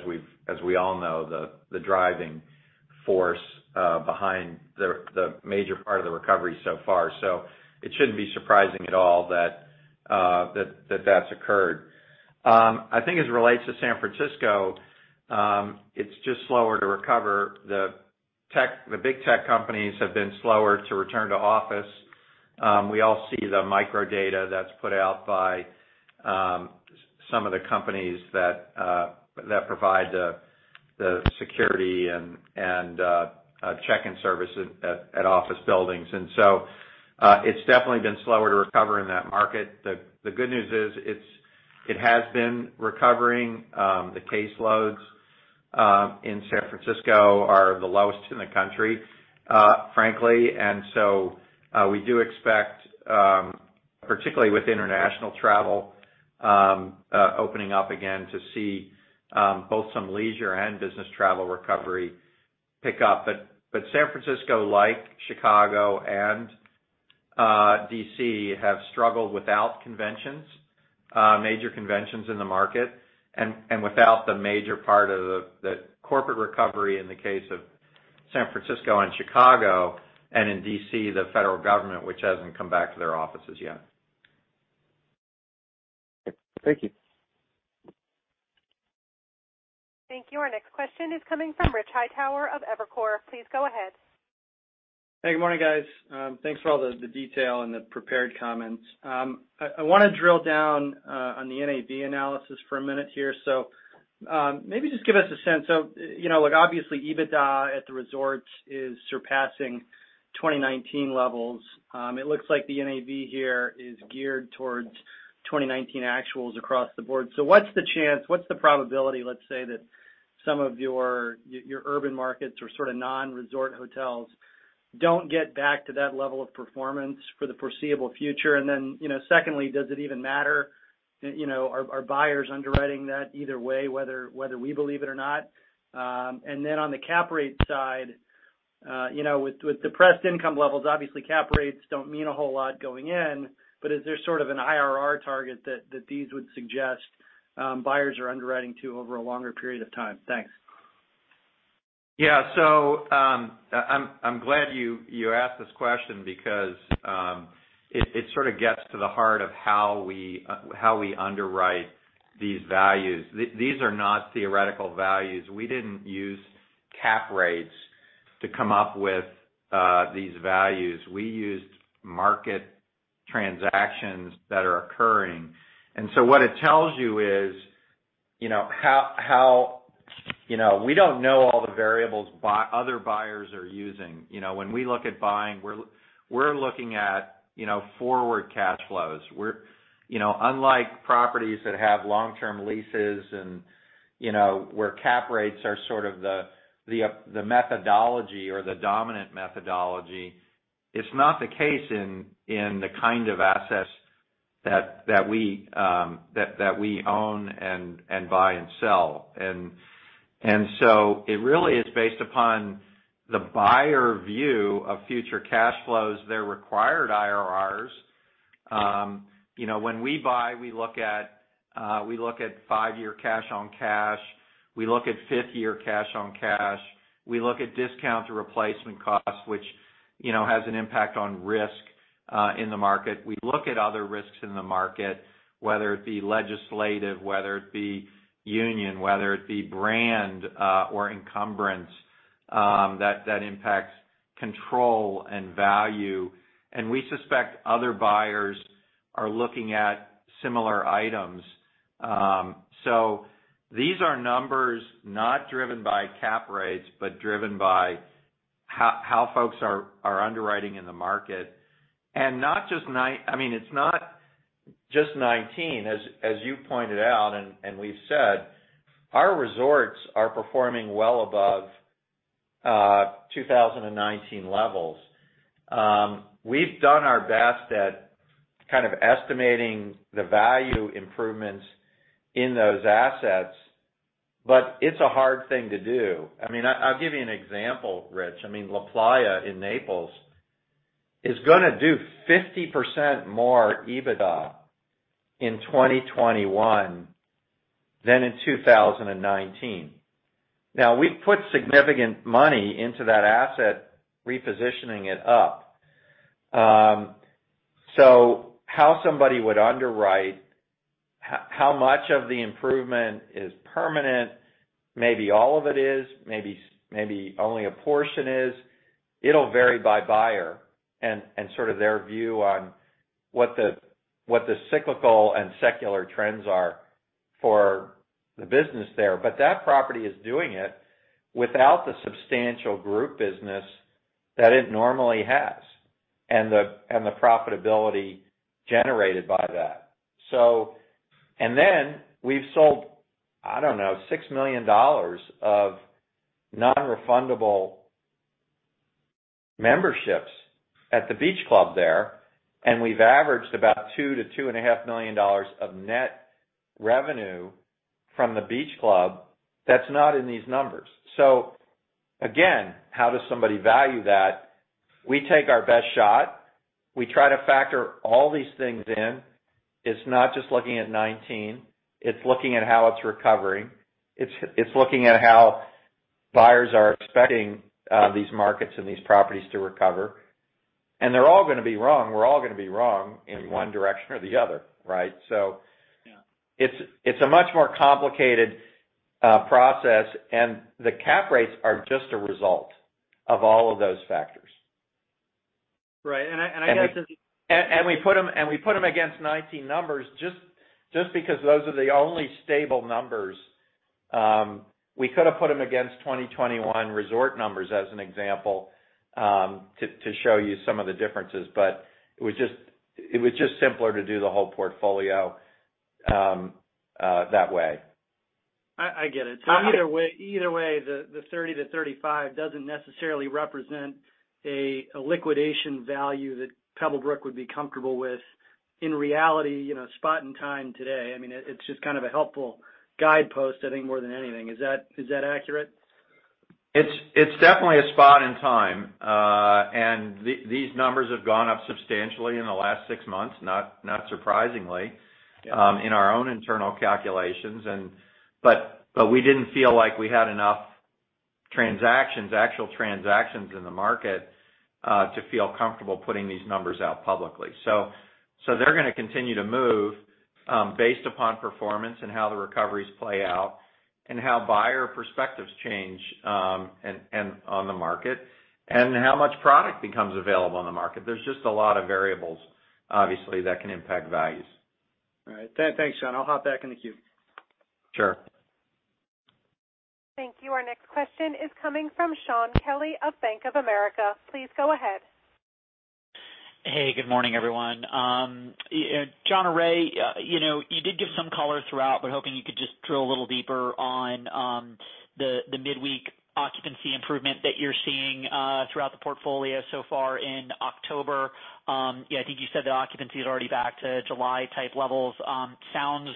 we all know, the driving force behind the major part of the recovery so far. It shouldn't be surprising at all that that's occurred. I think as it relates to San Francisco, it's just slower to recover. The big tech companies have been slower to return to office. We all see the microdata that's put out by some of the companies that provide the security and check-in services at office buildings. It's definitely been slower to recover in that market. The good news is it has been recovering. The caseloads in San Francisco are the lowest in the country, frankly. We do expect, particularly with international travel opening up again to see both some leisure and business travel recovery pick up. San Francisco, like Chicago and DC, have struggled without major conventions in the market and without the major part of the corporate recovery in the case of San Francisco and Chicago, and in DC, the federal government, which hasn't come back to their offices yet. Thank you. Thank you. Our next question is coming from Rich Hightower of Evercore. Please go ahead. Hey, good morning, guys. Thanks for all the detail and the prepared comments. I wanna drill down on the NAV analysis for a minute here. Maybe just give us a sense of, you know, look, obviously EBITDA at the resorts is surpassing 2019 levels. It looks like the NAV here is geared towards 2019 actuals across the board. What's the chance, what's the probability, let's say, that some of your urban markets or sort of non-resort hotels don't get back to that level of performance for the foreseeable future? And then, you know, secondly, does it even matter? You know, are buyers underwriting that either way, whether we believe it or not? On the cap rate side, you know, with depressed income levels, obviously cap rates don't mean a whole lot going in, but is there sort of an IRR target that these would suggest, buyers are underwriting to over a longer period of time? Thanks. Yeah. I'm glad you asked this question because it sort of gets to the heart of how we underwrite these values. These are not theoretical values. We didn't use cap rates to come up with these values. We used market transactions that are occurring. What it tells you is, you know, how. You know, we don't know all the variables other buyers are using. You know, when we look at buying, we're looking at, you know, forward cash flows. You know, unlike properties that have long-term leases and, you know, where cap rates are sort of the methodology or the dominant methodology, it's not the case in the kind of assets that we own and buy and sell. It really is based upon the buyer's view of future cash flows, their required IRRs. You know, when we buy, we look at five-year cash on cash, we look at fifth-year cash on cash, we look at discount to replacement costs, which, you know, has an impact on risk in the market. We look at other risks in the market, whether it be legislative, whether it be union, whether it be brand, or encumbrance, that impacts control and value. We suspect other buyers are looking at similar items. These are numbers not driven by cap rates, but driven by how folks are underwriting in the market. I mean, it's not just 19, as you pointed out and we've said. Our resorts are performing well above 2019 levels. We've done our best at kind of estimating the value improvements in those assets, but it's a hard thing to do. I mean, I'll give you an example, Rich. I mean, LaPlaya in Naples is gonna do 50% more EBITDA in 2021 than in 2019. Now, we've put significant money into that asset, repositioning it up. So how somebody would underwrite how much of the improvement is permanent, maybe all of it is, maybe only a portion is. It'll vary by buyer and sort of their view on what the cyclical and secular trends are for the business there. But that property is doing it without the substantial group business that it normally has, and the profitability generated by that. We've sold, I don't know, $6 million of non-refundable memberships at the beach club there, and we've averaged about $2 to 2.5 million of net revenue from the beach club that's not in these numbers. So again, how does somebody value that? We take our best shot. We try to factor all these things in. It's not just looking at 2019, it's looking at how it's recovering. It's looking at how buyers are expecting these markets and these properties to recover. And they're all going to be wrong. We're all going to be wrong in one direction or the other, right? Yeah. It's a much more complicated process, and the cap rates are just a result of all of those factors. Right. I guess it's- We put them against 19 numbers just because those are the only stable numbers. We could have put them against 2021 resort numbers, as an example, to show you some of the differences. It was just simpler to do the whole portfolio that way. I get it. Either way, the 30 to 35 doesn't necessarily represent a liquidation value that Pebblebrook would be comfortable with in reality, you know, spot and time today. I mean, it's just kind of a helpful guidepost, I think, more than anything. Is that accurate? It's definitely a spot in time. These numbers have gone up substantially in the last six months, not surprisingly, in our own internal calculations. We didn't feel like we had enough transactions, actual transactions in the market, to feel comfortable putting these numbers out publicly. They're gonna continue to move, based upon performance and how the recoveries play out, and how buyer perspectives change, and on the market, and how much product becomes available on the market. There's just a lot of variables, obviously, that can impact values. All right. Thanks, Jon. I'll hop back in the queue. Sure. Thank you. Our next question is coming from Shaun Kelley of Bank of America. Please go ahead. Hey, good morning, everyone. Jon or Raymond, you know, you did give some color throughout. We're hoping you could just drill a little deeper on the midweek occupancy improvement that you're seeing throughout the portfolio so far in October. Yeah, I think you said the occupancy is already back to July-type levels. Sounds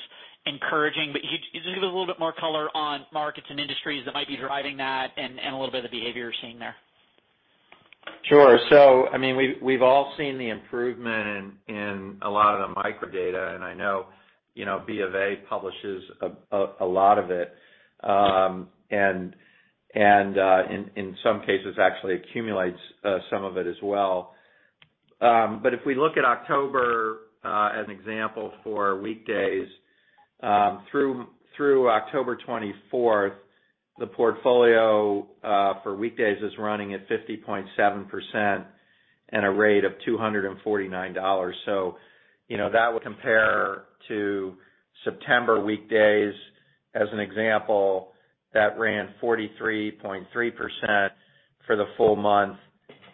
encouraging, but could you just give a little bit more color on markets and industries that might be driving that and a little bit of the behavior you're seeing there? Sure. I mean, we've all seen the improvement in a lot of the microdata, and I know, you know, BofA publishes a lot of it. In some cases actually accumulates some of it as well. If we look at October as an example for weekdays through October 24, the portfolio for weekdays is running at 50.7% and a rate of $249. You know, that would compare to September weekdays as an example, that ran 43.3% for the full month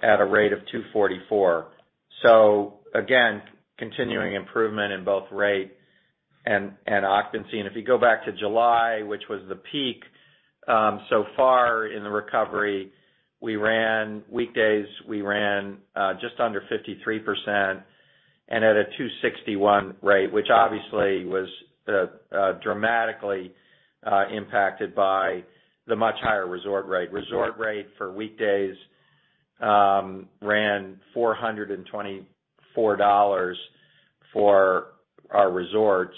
at a rate of $244. Again, continuing improvement in both rate and occupancy. If you go back to July, which was the peak so far in the recovery, we ran weekdays just under 53% and at a $261 rate, which obviously was dramatically impacted by the much higher resort rate. Resort rate for weekdays ran $424 for our resorts,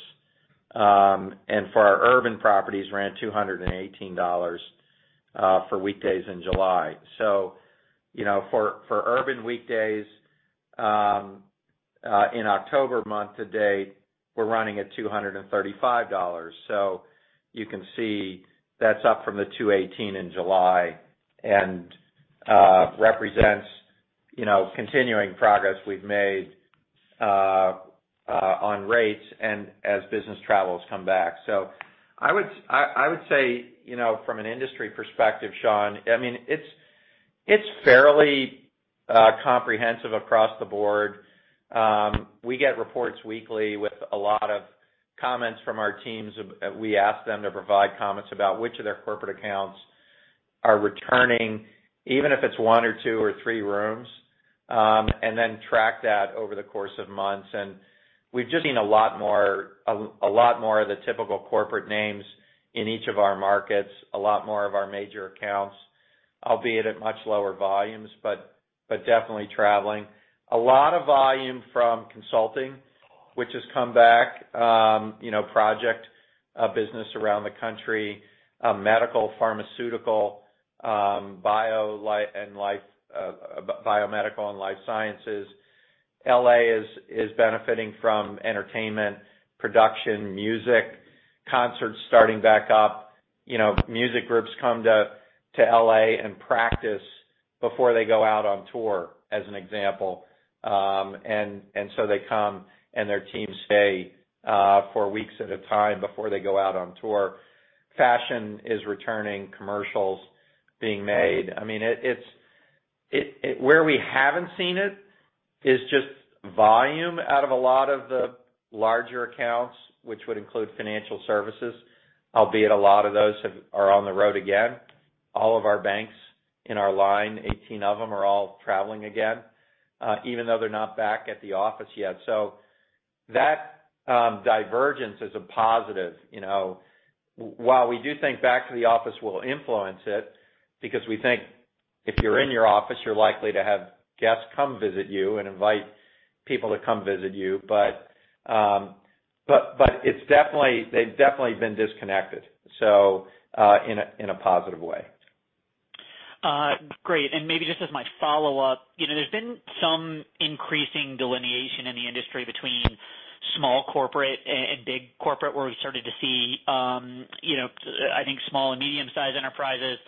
and for our urban properties ran $218 for weekdays in July. You know, for urban weekdays in October month to date, we're running at $235. You can see that's up from the $218 in July and represents continuing progress we've made on rates and as business travel come back. I would say, you know, from an industry perspective, Shaun, I mean, it's fairly comprehensive across the board. We get reports weekly with a lot of comments from our teams. We ask them to provide comments about which of their corporate accounts are returning, even if it's one or two or three rooms, and then track that over the course of months. We've just seen a lot more of the typical corporate names in each of our markets, a lot more of our major accounts, albeit at much lower volumes, but definitely traveling. A lot of volume from consulting, which has come back, you know, project business around the country, medical, pharmaceutical, biomedical and life sciences. L.A. is benefiting from entertainment, production, music, concerts starting back up. You know, music groups come to L.A. and practice before they go out on tour, as an example. They come and their teams stay for weeks at a time before they go out on tour. Fashion is returning, commercials being made. I mean, where we haven't seen it is just volume out of a lot of the larger accounts, which would include financial services, albeit a lot of those are on the road, again. All of our banks in our line, 18 of them, are all traveling again, even though they're not back at the office yet. That divergence is a positive, you know. While we do think back to the office will influence it because we think if you're in your office, you're likely to have guests come visit you and invite people to come visit you. It's definitely they've definitely been disconnected, so in a positive way. Great. Maybe just as my follow-up. You know, there's been some increasing delineation in the industry between small corporate and big corporate, where we started to see, you know, I think small and medium-sized enterprises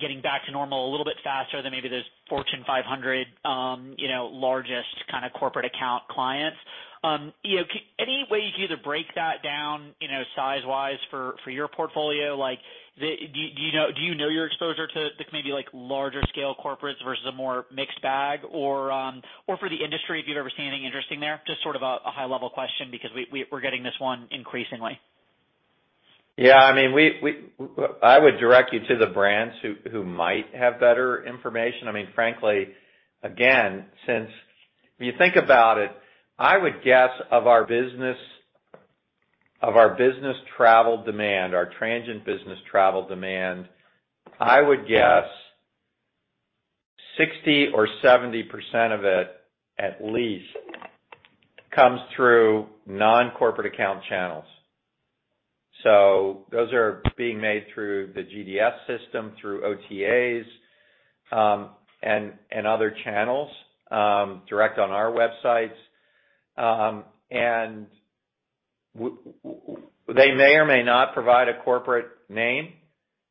getting back to normal a little bit faster than maybe those Fortune 500, you know, largest kind of corporate account clients. You know, any way you could either break that down, you know, size-wise for your portfolio? Like, do you know your exposure to the maybe, like, larger scale corporates versus a more mixed bag? Or for the industry, if you've ever seen anything interesting there? Just sort of a high level question because we're getting this one increasingly. Yeah, I mean, I would direct you to the brands who might have better information. I mean, frankly, again, since when you think about it, I would guess of our business travel demand, our transient business travel demand, I would guess 60% or 70% of it, at least, comes through non-corporate account channels. Those are being made through the GDS system, through OTAs, and other channels, direct on our websites. They may or may not provide a corporate name.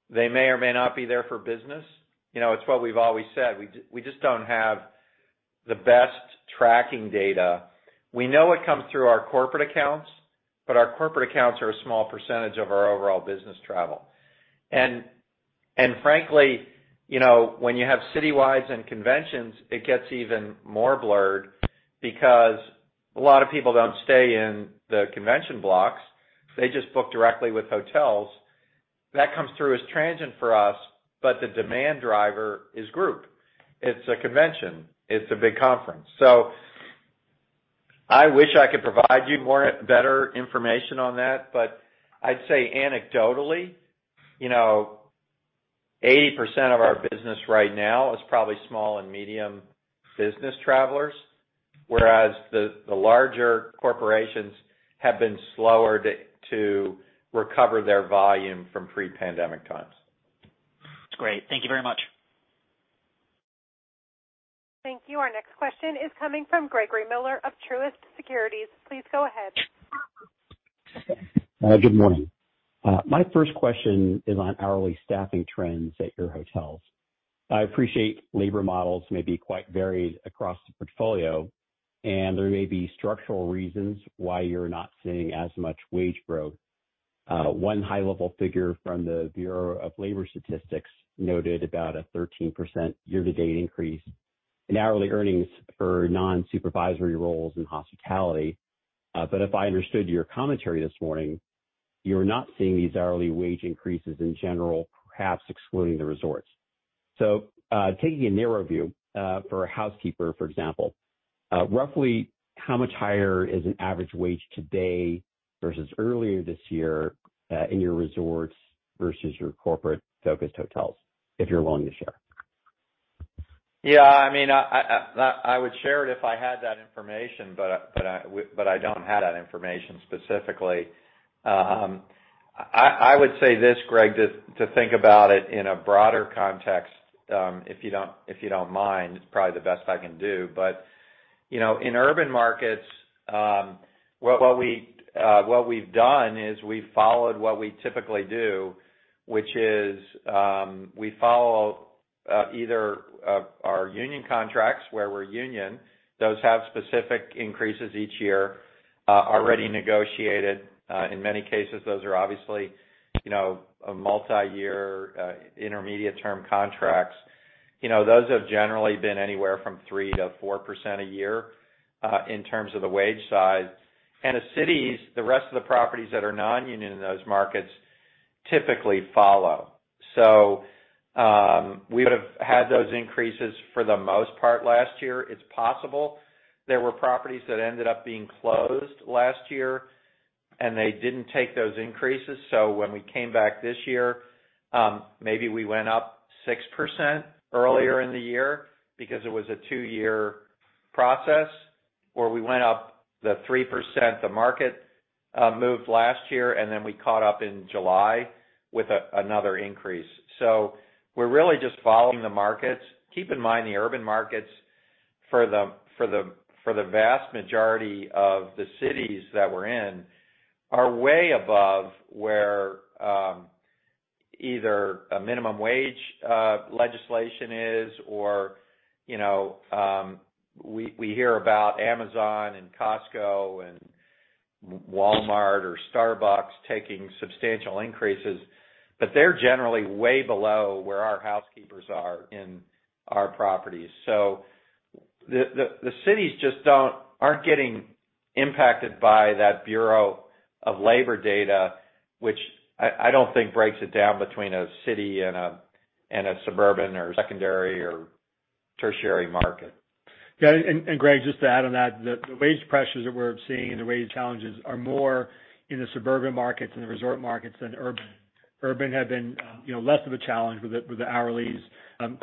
They may or may not be there for business. You know, it's what we've always said. We just don't have the best tracking data. We know it comes through our corporate accounts, but our corporate accounts are a small percentage of our overall business travel. Frankly, you know, when you have citywides and conventions, it gets even more blurred because a lot of people don't stay in the convention blocks. They just book directly with hotels. That comes through as transient for us, but the demand driver is group. It's a convention, it's a big conference. I wish I could provide you more, better information on that. I'd say anecdotally, you know, 80% of our business right now is probably small and medium business travelers, whereas the larger corporations have been slower to recover their volume from pre-pandemic times. That's great. Thank you very much. Thank you. Our next question is coming from Gregory Miller of Truist Securities. Please go ahead. Good morning. My first question is on hourly staffing trends at your hotels. I appreciate labor models may be quite varied across the portfolio, and there may be structural reasons why you're not seeing as much wage growth. One high-level figure from the Bureau of Labor Statistics noted about a 13% year-to-date increase in hourly earnings for non-supervisory roles in hospitality. If I understood your commentary this morning, you're not seeing these hourly wage increases in general, perhaps excluding the resorts. Taking a narrow view, for a housekeeper, for example, roughly how much higher is an average wage today versus earlier this year, in your resorts versus your corporate-focused hotels, if you're willing to share? I mean, I would share it if I had that information, but I don't have that information specifically. I would say this, Gregory, to think about it in a broader context, if you don't mind, it's probably the best I can do. You know, in urban markets, what we've done is we followed what we typically do, which is we follow either our union contracts, where we're union. Those have specific increases each year, already negotiated. In many cases, those are obviously, you know, a multiyear intermediate term contracts. You know, those have generally been anywhere from 3% to 4% a year in terms of the wage side. The cities, the rest of the properties that are non-union in those markets typically follow. We would have had those increases for the most part last year. It's possible there were properties that ended up being closed last year, and they didn't take those increases. When we came back this year, maybe we went up 6% earlier in the year because it was a two-year process, or we went up the 3% the market moved last year, and then we caught up in July with another increase. We're really just following the markets. Keep in mind, the urban markets for the vast majority of the cities that we're in are way above where either a minimum wage legislation is or, you know, we hear about Amazon and Costco and Walmart or Starbucks taking substantial increases, but they're generally way below where our housekeepers are in our properties. The cities just aren't getting impacted by that Bureau of Labor Statistics data, which I don't think breaks it down between a city and a suburban or secondary or tertiary market. Yeah, and Greg, just to add on that, the wage pressures that we're seeing and the wage challenges are more in the suburban markets and the resort markets than urban. Urban have been, you know, less of a challenge with the hourlies.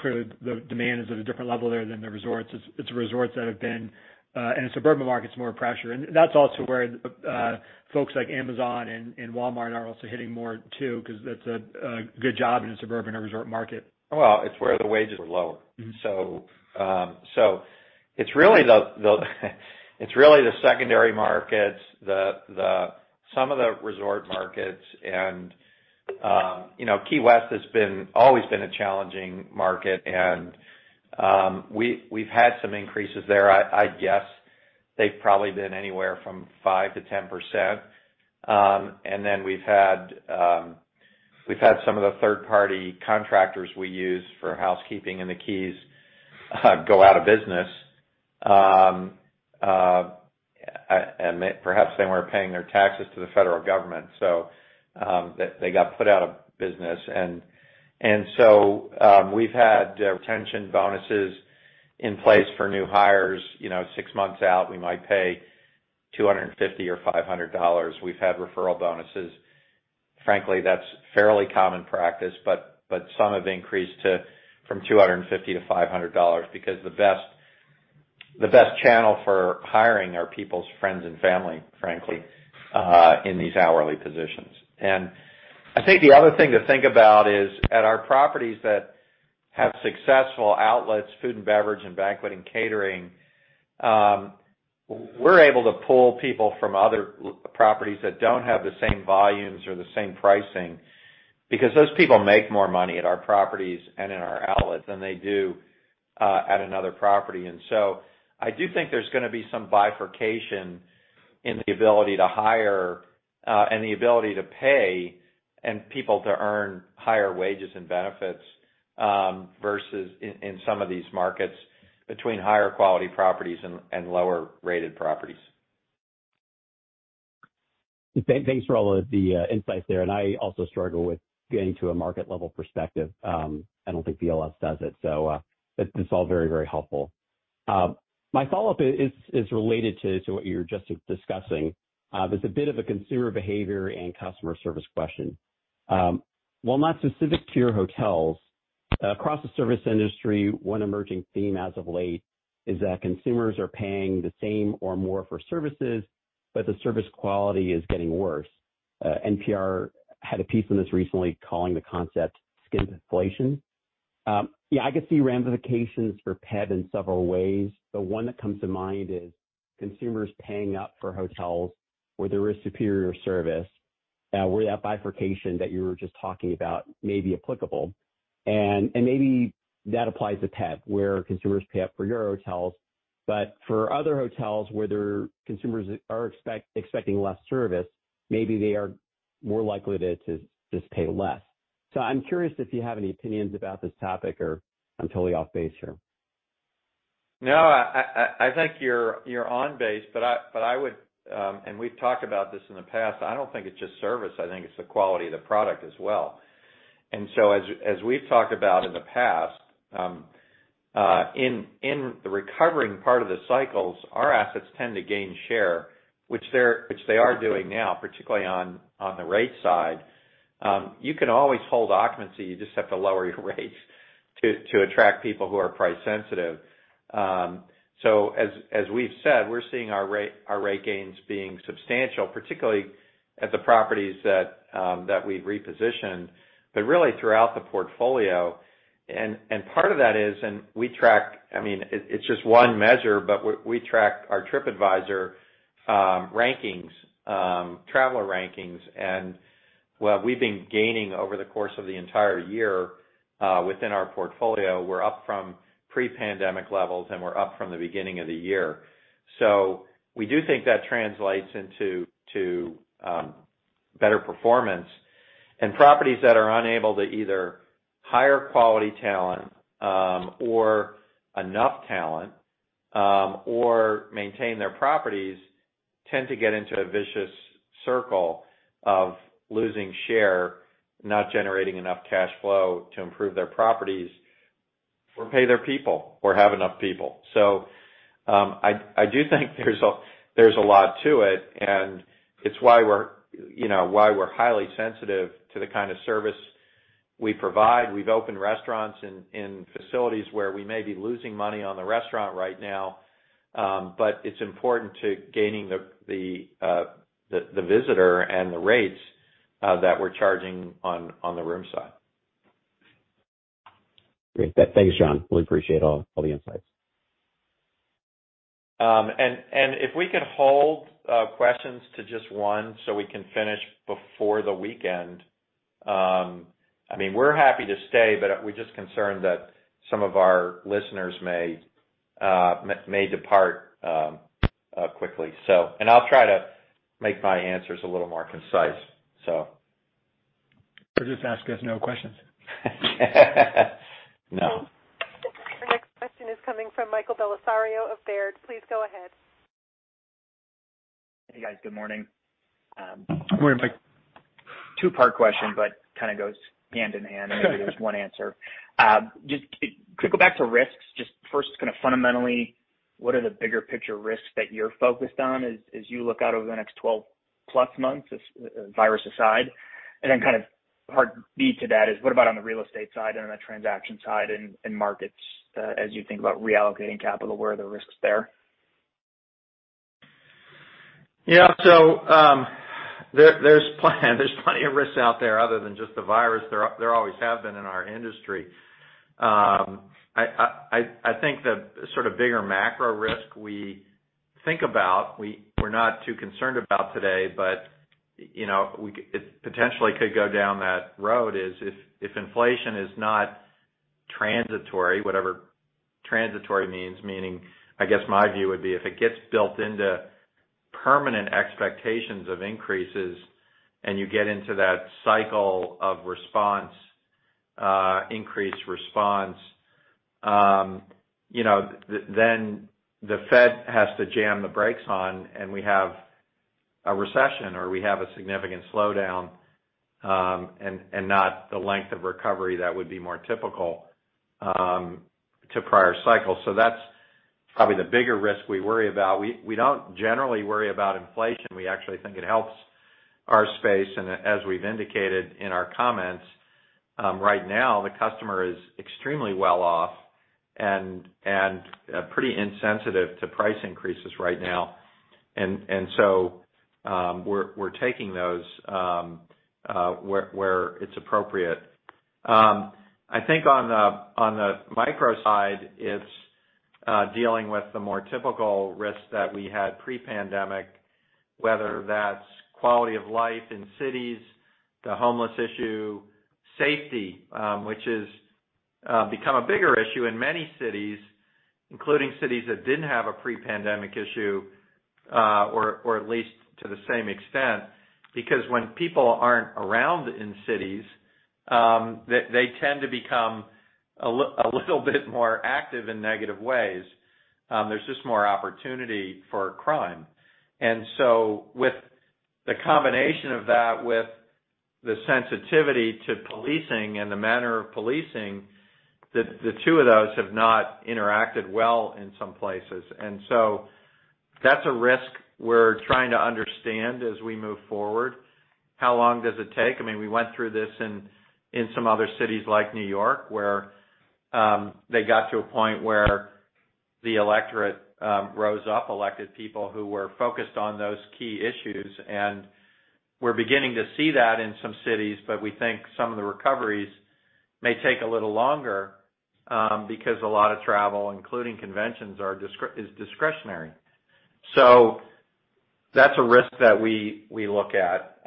Clearly the demand is at a different level there than the resorts. It's resorts that have been and suburban markets, more pressure. That's also where folks like Amazon and Walmart are also hitting more too, because that's a good job in a suburban or resort market. Well, it's where the wages are lower. Mm-hmm. It's really the secondary markets. Some of the resort markets and, you know, Key West has always been a challenging market and we've had some increases there. I'd guess they've probably been anywhere from 5%-10%. We've had some of the third-party contractors we use for housekeeping in the Keys go out of business and perhaps they weren't paying their taxes to the federal government, so they got put out of business. We've had retention bonuses in place for new hires. You know, six months out, we might pay $250 or $500. We've had referral bonuses. Frankly, that's fairly common practice, but some have increased to from $250 to 500 because the best channel for hiring are people's friends and family, frankly, in these hourly positions. I think the other thing to think about is at our properties that have successful outlets, food and beverage and banquet and catering, we're able to pull people from other properties that don't have the same volumes or the same pricing because those people make more money at our properties and in our outlets than they do at another property. I do think there's going to be some bifurcation in the ability to hire and the ability to pay and people to earn higher wages and benefits versus in some of these markets between higher quality properties and lower rated properties. Thanks for all of the insights there. I also struggle with getting to a market level perspective. I don't think BLS does it. It's all very helpful. My follow-up is related to what you were just discussing. It's a bit of a consumer behavior and customer service question. While not specific to your hotels, across the service industry, one emerging theme as of late is that consumers are paying the same or more for services, but the service quality is getting worse. NPR had a piece on this recently calling the concept skimpflation. Yeah, I could see ramifications for PEB in several ways. The one that comes to mind is consumers paying up for hotels where there is superior service, where that bifurcation that you were just talking about may be applicable. maybe that applies to PEB, where consumers pay up for your hotels. For other hotels where their consumers are expecting less service, maybe they are more likely to just pay less. I'm curious if you have any opinions about this topic or I'm totally off base here. No, I think you're on base, but I would and we've talked about this in the past. I don't think it's just service. I think it's the quality of the product as well as we've talked about in the past, in the recovering part of the cycles, our assets tend to gain share, which they are doing now, particularly on the rate side. You can always hold occupancy. You just have to lower your rates to attract people who are price sensitive. As we've said, we're seeing our rate gains being substantial, particularly at the properties that we've repositioned, but really throughout the portfolio. Part of that is. I mean, it's just one measure, but we track our Tripadvisor rankings, traveler rankings, and what we've been gaining over the course of the entire year within our portfolio. We're up from pre-pandemic levels, and we're up from the beginning of the year. We do think that translates into better performance. Properties that are unable to either hire quality talent or enough talent or maintain their properties tend to get into a vicious circle of losing share, not generating enough cash flow to improve their properties or pay their people or have enough people. I do think there's a lot to it, and it's why we're, you know, highly sensitive to the kind of service we provide. We've opened restaurants in facilities where we may be losing money on the restaurant right now, but it's important to gaining the visitor and the rates that we're charging on the room side. Great. Thanks, Jon. We appreciate all the insights. If we could hold questions to just one so we can finish before the weekend. I mean, we're happy to stay, but we're just concerned that some of our listeners may depart quickly, so. Just ask us no questions. No. Our next question is coming from Michael Bellisario of Baird. Please go ahead. Hey, guys. Good morning. Good morning, Mike. Two-part question, but kind of goes hand in hand. Maybe there's one answer. Could go back to risks. Just first, kind of fundamentally, what are the bigger picture risks that you're focused on as you look out over the next 12 plus months, virus aside? Kind of part B to that is, what about on the real estate side and on the transaction side and markets, as you think about reallocating capital, where are the risks there? There's plenty of risks out there other than just the virus. There always have been in our industry. I think the sort of bigger macro risk we think about. We're not too concerned about today, but you know, it potentially could go down that road, is if inflation is not transitory, whatever transitory means, meaning I guess my view would be if it gets built into permanent expectations of increases and you get into that cycle of response, increased response, you know, then the Fed has to jam the brakes on and we have a recession or we have a significant slowdown, and not the length of recovery that would be more typical to prior cycles. That's probably the bigger risk we worry about. We don't generally worry about inflation. We actually think it helps our space. As we've indicated in our comments, right now the customer is extremely well off and pretty insensitive to price increases right now. We're taking those where it's appropriate. I think on the micro side, it's dealing with the more typical risks that we had pre-pandemic, whether that's quality of life in cities, the homeless issue, safety, which has become a bigger issue in many cities, including cities that didn't have a pre-pandemic issue, or at least to the same extent, because when people aren't around in cities, they tend to become a little bit more active in negative ways. There's just more opportunity for crime. With the combination of that with the sensitivity to policing and the manner of policing, the two of those have not interacted well in some places. That's a risk we're trying to understand as we move forward. How long does it take? I mean, we went through this in some other cities like New York, where they got to a point where the electorate rose up, elected people who were focused on those key issues. We're beginning to see that in some cities, but we think some of the recoveries may take a little longer, because a lot of travel, including conventions, is discretionary. That's a risk that we look at.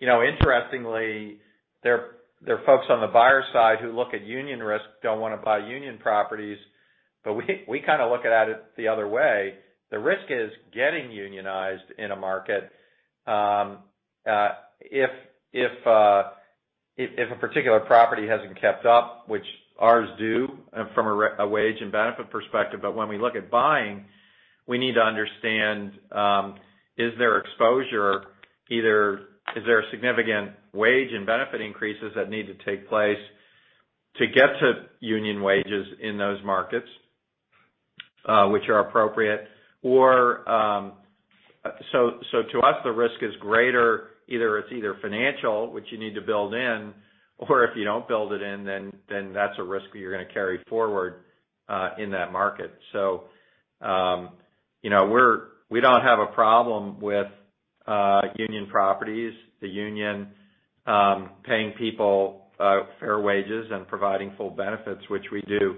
You know, interestingly, there are folks on the buyer side who look at union risk, don't wanna buy union properties, but we kind of look at it the other way. The risk is getting unionized in a market, if a particular property hasn't kept up, which ours do from a wage and benefit perspective. But when we look at buying, we need to understand, is there exposure? Is there significant wage and benefit increases that need to take place to get to union wages in those markets, which are appropriate. So to us, the risk is greater. Either it's financial, which you need to build in, or if you don't build it in, then that's a risk you're gonna carry forward in that market. You know, we don't have a problem with union properties, the union, paying people fair wages and providing full benefits, which we do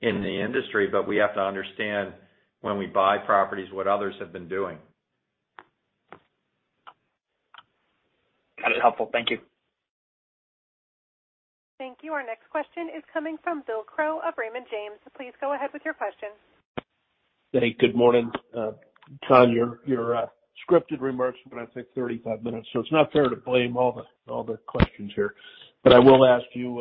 in the industry. We have to understand when we buy properties, what others have been doing. That is helpful. Thank you. Thank you. Our next question is coming from Bill Crow of Raymond James. Please go ahead with your question. Hey, good morning. Jon Bortz, your scripted remarks have been, I think, 35 minutes, so it's not fair to blame all the questions here. I will ask you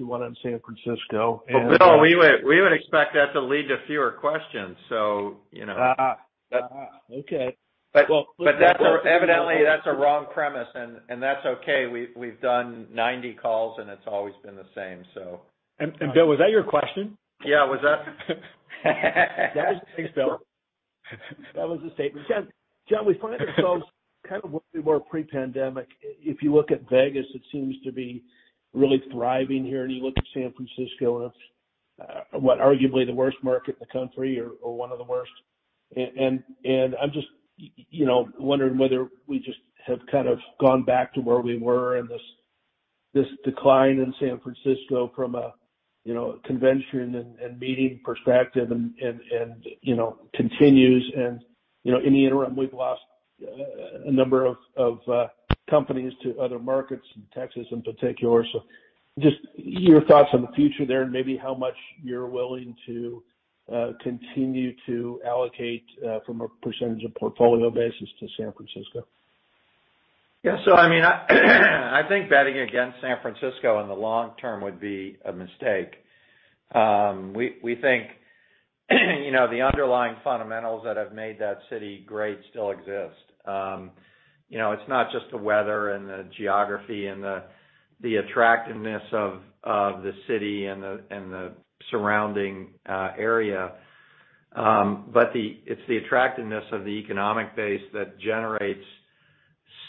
one on San Francisco. Well, Bill, we would expect that to lead to fewer questions, so you know. Okay. Well That's evidently a wrong premise, and that's okay. We've done 90 calls, and it's always been the same, so. Bill, was that your question? Yeah. Was that? Thanks, Bill. That was a statement. Jon, we find ourselves kind of where we were pre-pandemic. If you look at Vegas, it seems to be really thriving here, and you look at San Francisco, and it's what arguably the worst market in the country or one of the worst. I'm just you know, wondering whether we just have kind of gone back to where we were and this decline in San Francisco from a you know, convention and meeting perspective and you know, continues. You know, in the interim, we've lost a number of companies to other markets and Texas in particular. Just your thoughts on the future there and maybe how much you're willing to continue to allocate from a percentage of portfolio basis to San Francisco. Yeah. I mean, I think betting against San Francisco in the long term would be a mistake. We think, you know, the underlying fundamentals that have made that city great still exist. You know, it's not just the weather and the geography and the attractiveness of the city and the surrounding area. It's the attractiveness of the economic base that generates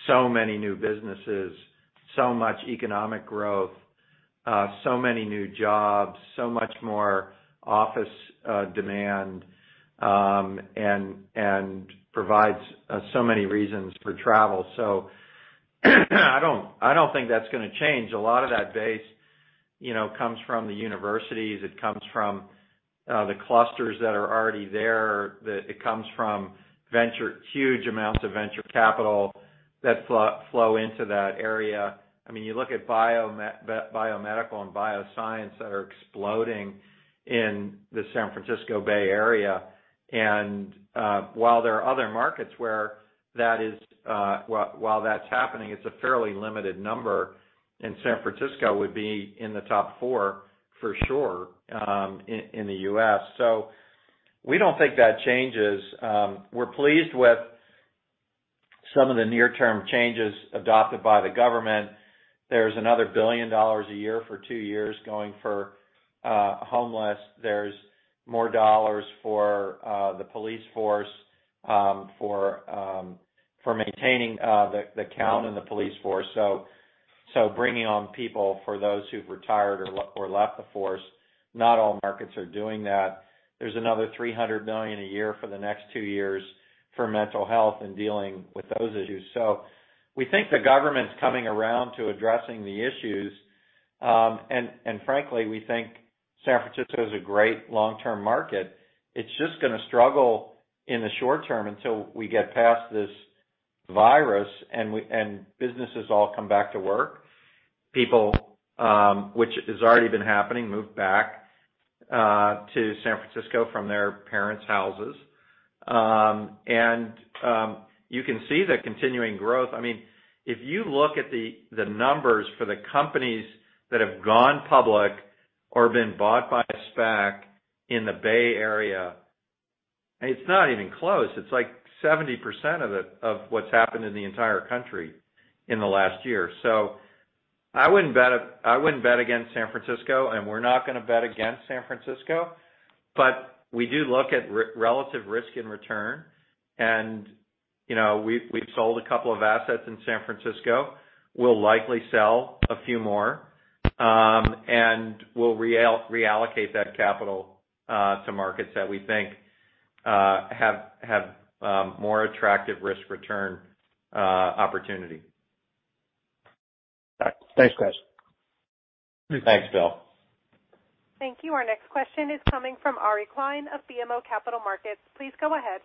so many new businesses, so much economic growth, so many new jobs, so much more office demand, and provides so many reasons for travel. I don't think that's gonna change. A lot of that base, you know, comes from the universities. It comes from the clusters that are already there. It comes from huge amounts of venture capital that flow into that area. I mean, you look at biomedical and bioscience that are exploding in the San Francisco Bay Area. While there are other markets where that's happening, it's a fairly limited number, and San Francisco would be in the top four for sure, in the US We don't think that changes. We're pleased with some of the near-term changes adopted by the government. There's another $1 billion a year for two years going for homeless. There's more dollars for the police force, for maintaining the count in the police force. Bringing on people for those who've retired or left the force, not all markets are doing that. There's another $300 million a year for the next two years for mental health and dealing with those issues. We think the government's coming around to addressing the issues. Frankly, we think San Francisco is a great long-term market. It's just gonna struggle in the short term until we get past this virus and businesses all come back to work. People, which has already been happening, move back to San Francisco from their parents' houses. You can see the continuing growth. I mean, if you look at the numbers for the companies that have gone public or been bought by a SPAC in the Bay Area, and it's not even close. It's like 70% of it, of what's happened in the entire country in the last year. I wouldn't bet against San Francisco, and we're not gonna bet against San Francisco. We do look at relative risk and return. you know, we've sold a couple of assets in San Francisco. We'll likely sell a few more, and we'll reallocate that capital to markets that we think have more attractive risk-return opportunity. All right. Thanks, guys. Thanks, Bill. Thank you. Our next question is coming from Ari Klein of BMO Capital Markets. Please go ahead.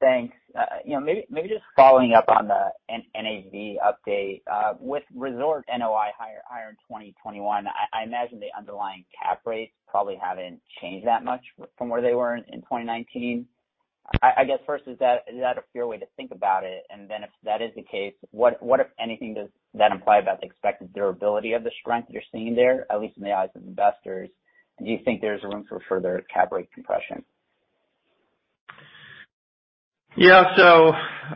Thanks. You know, maybe just following up on the NAV update, with resort NOI higher in 2021, I imagine the underlying cap rates probably haven't changed that much from where they were in 2019. I guess first, is that a fair way to think about it? Then if that is the case, what, if anything, does that imply about the expected durability of the strength you're seeing there, at least in the eyes of investors? Do you think there's room for further cap rate compression? Yeah.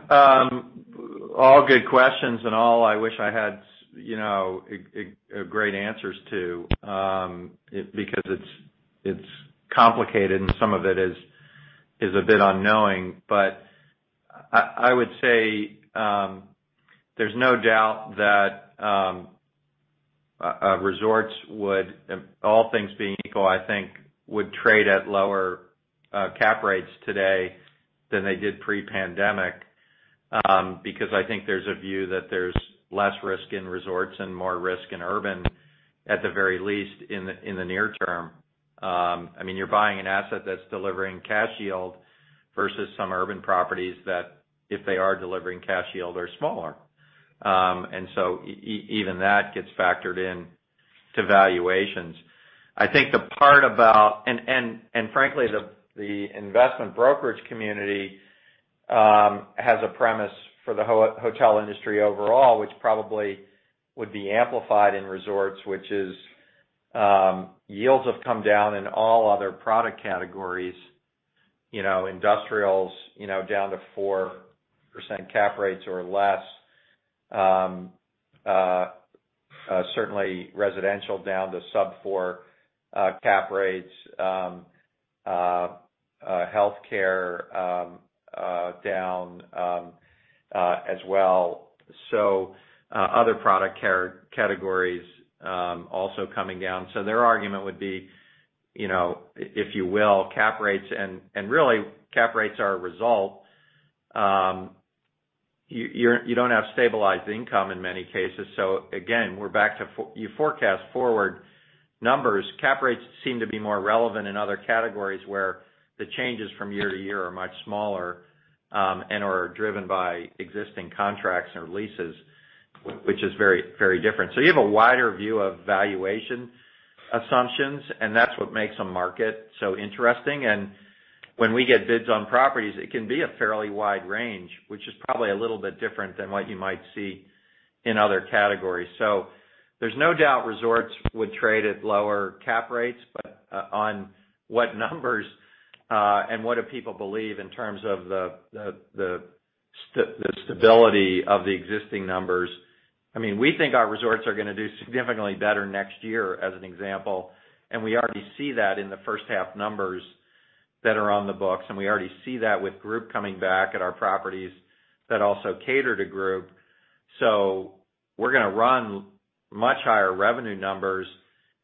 All good questions and all I wish I had, you know, a great answers to because it's complicated and some of it is a bit unknown. I would say there's no doubt that resorts would, all things being equal, I think would trade at lower cap rates today than they did pre-pandemic because I think there's a view that there's less risk in resorts and more risk in urban, at the very least in the near term. I mean, you're buying an asset that's delivering cash yield versus some urban properties that if they are delivering cash yield are smaller. Even that gets factored into valuations. I think the part about... Frankly, the investment brokerage community has a premise for the hotel industry overall, which probably would be amplified in resorts, which is yields have come down in all other product categories, you know, industrials, you know, down to 4% cap rates or less. Certainly residential down to sub-4% cap rates. Healthcare down as well. Other product categories also coming down. Their argument would be, you know, if you will, cap rates and really cap rates are a result. You don't have stabilized income in many cases. Again, we're back to forecasting forward numbers. Cap rates seem to be more relevant in other categories where the changes from year to year are much smaller, and are driven by existing contracts or leases, which is very, very different. You have a wider view of valuation assumptions, and that's what makes a market so interesting. When we get bids on properties, it can be a fairly wide range, which is probably a little bit different than what you might see in other categories. There's no doubt resorts would trade at lower cap rates, but on what numbers? What do people believe in terms of the stability of the existing numbers. I mean, we think our resorts are gonna do significantly better next year as an example, and we already see that in the first half numbers that are on the books, and we already see that with group coming back at our properties that also cater to group. We're gonna run much higher revenue numbers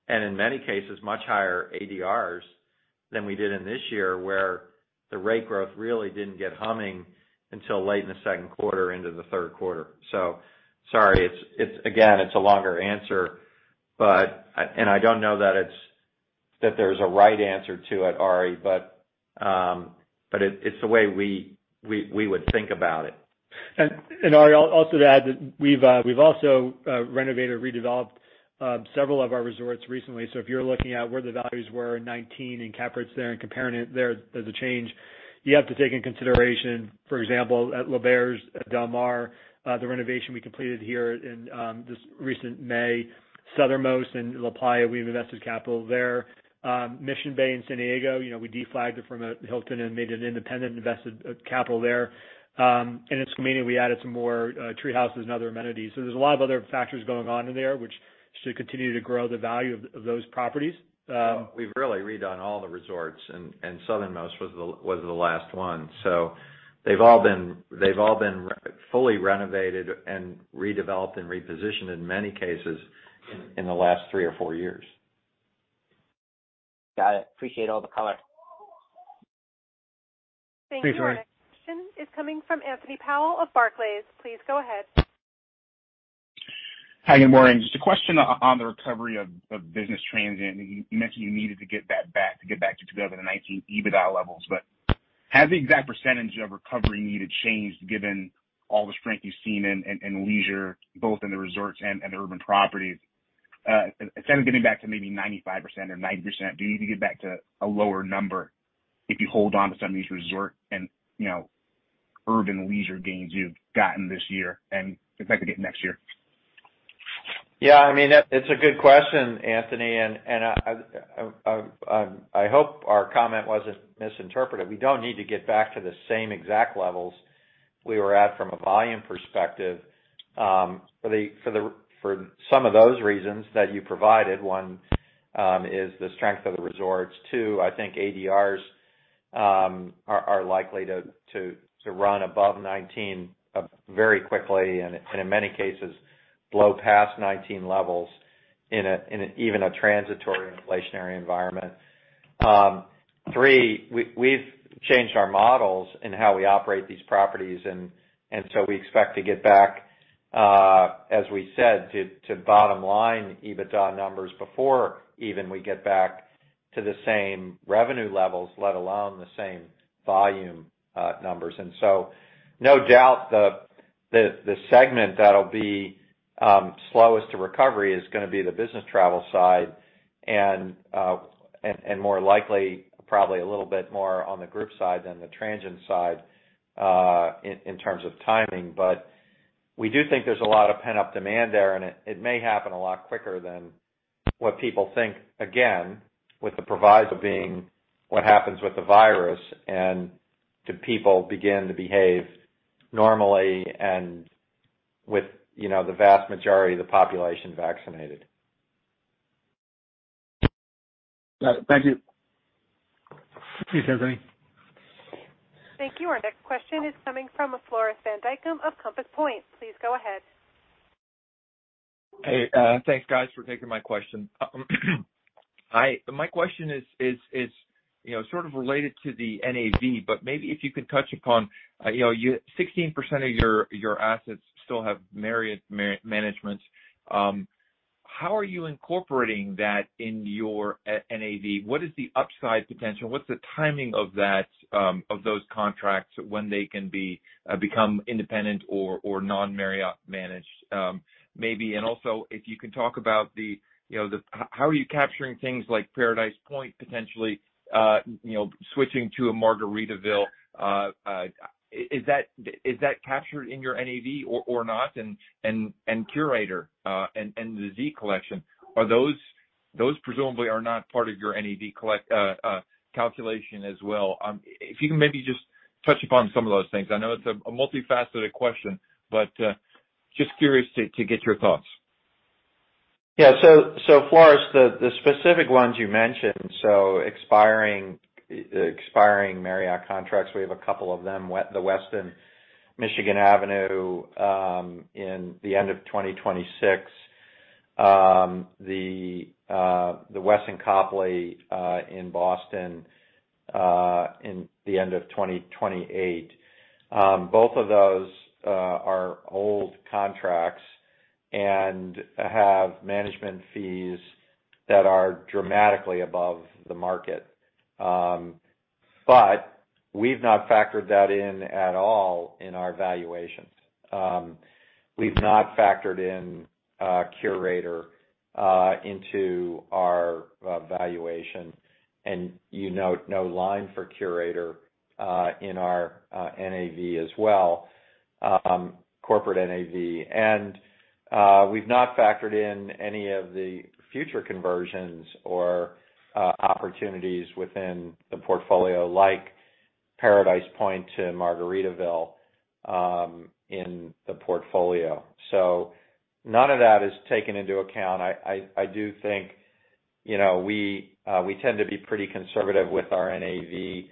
and in many cases much higher ADRs than we did in this year where the rate growth really didn't get humming until late in the Q2 into the Q3. Sorry, it's again a longer answer, but I don't know that there's a right answer to it, Ari, but it's the way we would think about it. Ari, I'll also add that we've also renovated, redeveloped several of our resorts recently. If you're looking at where the values were in 2019 in cap rates there and comparing it there's a change. You have to take into consideration, for example, at L'Auberge Del Mar, the renovation we completed here in this recent May. Southernmost in LaPlaya, we've invested capital there. Mission Bay in San Diego, you know, we de-flagged it from Hilton and made it an independent, invested capital there. And at Escondido we added some more tree houses and other amenities. There's a lot of other factors going on in there which should continue to grow the value of those properties. We've really redone all the resorts, and Southernmost was the last one. So they've all been fully renovated and redeveloped and repositioned in many cases in the last three or four years. Got it. Appreciate all the color. Thanks, Ari. Thank you. Our next question is coming from Anthony Powell of Barclays. Please go ahead. Hi, good morning. Just a question on the recovery of business transient. You mentioned you needed to get that back to get back to 2019 EBITDA levels. Has the exact percentage of recovery needed changed given all the strength you've seen in leisure, both in the resorts and urban properties? Instead of getting back to maybe 95% or 90%, do you need to get back to a lower number if you hold on to some of these resort and, you know, urban leisure gains you've gotten this year and expect to get next year? Yeah. I mean, it's a good question, Anthony. I hope our comment wasn't misinterpreted. We don't need to get back to the same exact levels we were at from a volume perspective, for some of those reasons that you provided. One is the strength of the resorts. Two, I think ADRs are likely to run above 2019 very quickly, and in many cases blow past 2019 levels in even a transitory inflationary environment. Three, we've changed our models in how we operate these properties and so we expect to get back, as we said, to bottom line EBITDA numbers before even we get back to the same revenue levels, let alone the same volume numbers. No doubt the segment that'll be slowest to recovery is gonna be the business travel side and more likely probably a little bit more on the group side than the transient side in terms of timing. We do think there's a lot of pent-up demand there, and it may happen a lot quicker than what people think, again, with the proviso being what happens with the virus and do people begin to behave normally and with you know the vast majority of the population vaccinated. Got it. Thank you. Thanks, Anthony. Thank you. Our next question is coming from Floris van Dijkum of Compass Point. Please go ahead. Hey, thanks guys for taking my question. Hi. My question is, you know, sort of related to the NAV, but maybe if you could touch upon, you know, 16% of your assets still have Marriott management. How are you incorporating that in your NAV? What is the upside potential? What's the timing of that, of those contracts when they can become independent or non-Marriott managed? Maybe and also if you could talk about the, you know, how are you capturing things like Paradise Point potentially, you know, switching to a Margaritaville, is that captured in your NAV or not? Curator and the Z Collection. Are those presumably not part of your NAV calculation as well? If you can maybe just touch upon some of those things. I know it's a multifaceted question, but just curious to get your thoughts. Yeah, Floris, the specific ones you mentioned, expiring Marriott contracts, we have a couple of them. The Westin Michigan Avenue at the end of 2026. The Westin Copley Place in Boston at the end of 2028. Both of those are old contracts and have management fees that are dramatically above the market. We've not factored that in at all in our valuations. We've not factored in Curator into our valuation. You note no line for Curator in our NAV as well, corporate NAV. We've not factored in any of the future conversions or opportunities within the portfolio like Paradise Point to Margaritaville in the portfolio. None of that is taken into account. I do think, you know, we tend to be pretty conservative with our NAV.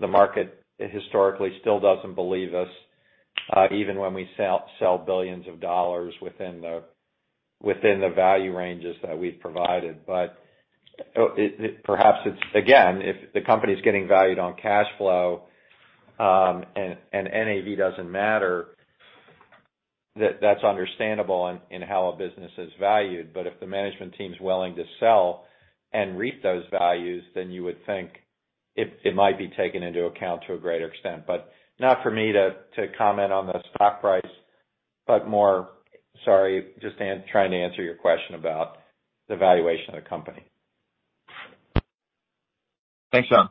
The market historically still doesn't believe us, even when we sell billions of dollars within the value ranges that we've provided. It perhaps it's again, if the company's getting valued on cash flow, and NAV doesn't matter, that's understandable in how a business is valued. If the management team's willing to sell and reap those values, then you would think it might be taken into account to a greater extent. Not for me to comment on the stock price, but more. Sorry, just trying to answer your question about the valuation of the company. Thanks, Jon.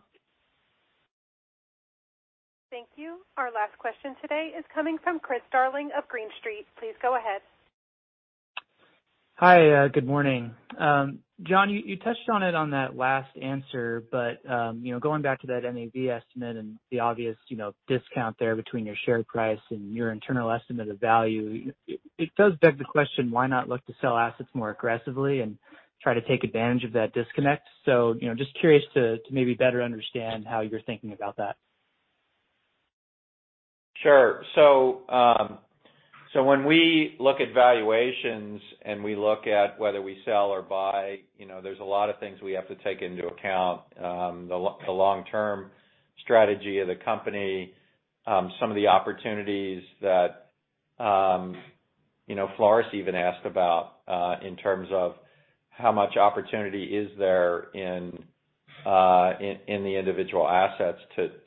Thank you. Our last question today is coming from Chris Darling of Green Street. Please go ahead. Hi. Good morning. Jon, you touched on it in that last answer, but you know, going back to that NAV estimate and the obvious, you know, discount there between your share price and your internal estimate of value, it does beg the question, why not look to sell assets more aggressively and try to take advantage of that disconnect? You know, just curious to maybe better understand how you're thinking about that. Sure. When we look at valuations and we look at whether we sell or buy, you know, there's a lot of things we have to take into account. The long-term strategy of the company, some of the opportunities that, you know, Floris even asked about, in terms of how much opportunity is there in the individual assets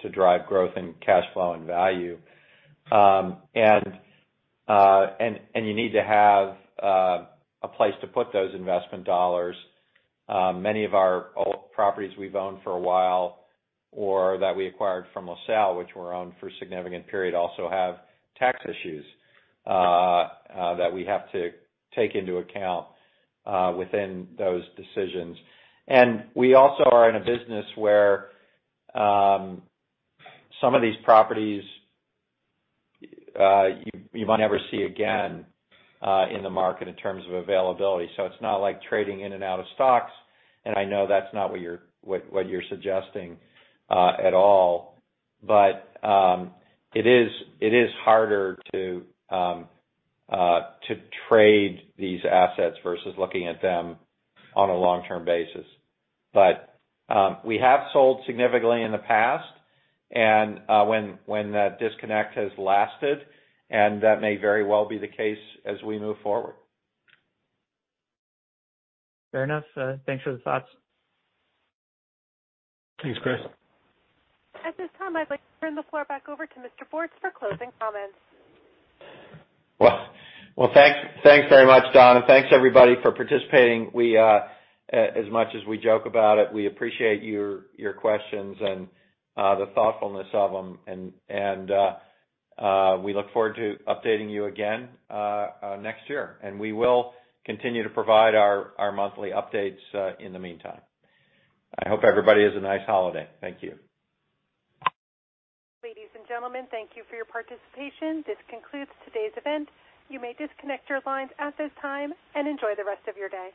to drive growth and cash flow and value. You need to have a place to put those investment dollars. Many of our old properties we've owned for a while or that we acquired from LaSalle, which were owned for a significant period, also have tax issues that we have to take into account within those decisions. We also are in a business where some of these properties you might never see again in the market in terms of availability. It's not like trading in and out of stocks, and I know that's not what you're suggesting at all. It is harder to trade these assets versus looking at them on a long-term basis. We have sold significantly in the past and when that disconnect has lasted, and that may very well be the case as we move forward. Fair enough. Thanks for the thoughts. Thanks, Chris. At this time, I'd like to turn the floor back over to Mr. Bortz for closing comments. Well, thanks very much, Donna, and thanks, everybody, for participating. We as much as we joke about it, we appreciate your questions and the thoughtfulness of them. We look forward to updating you again next year. We will continue to provide our monthly updates in the meantime. I hope everybody has a nice holiday. Thank you. Ladies and gentlemen, thank you for your participation. This concludes today's event. You may disconnect your lines at this time and enjoy the rest of your day.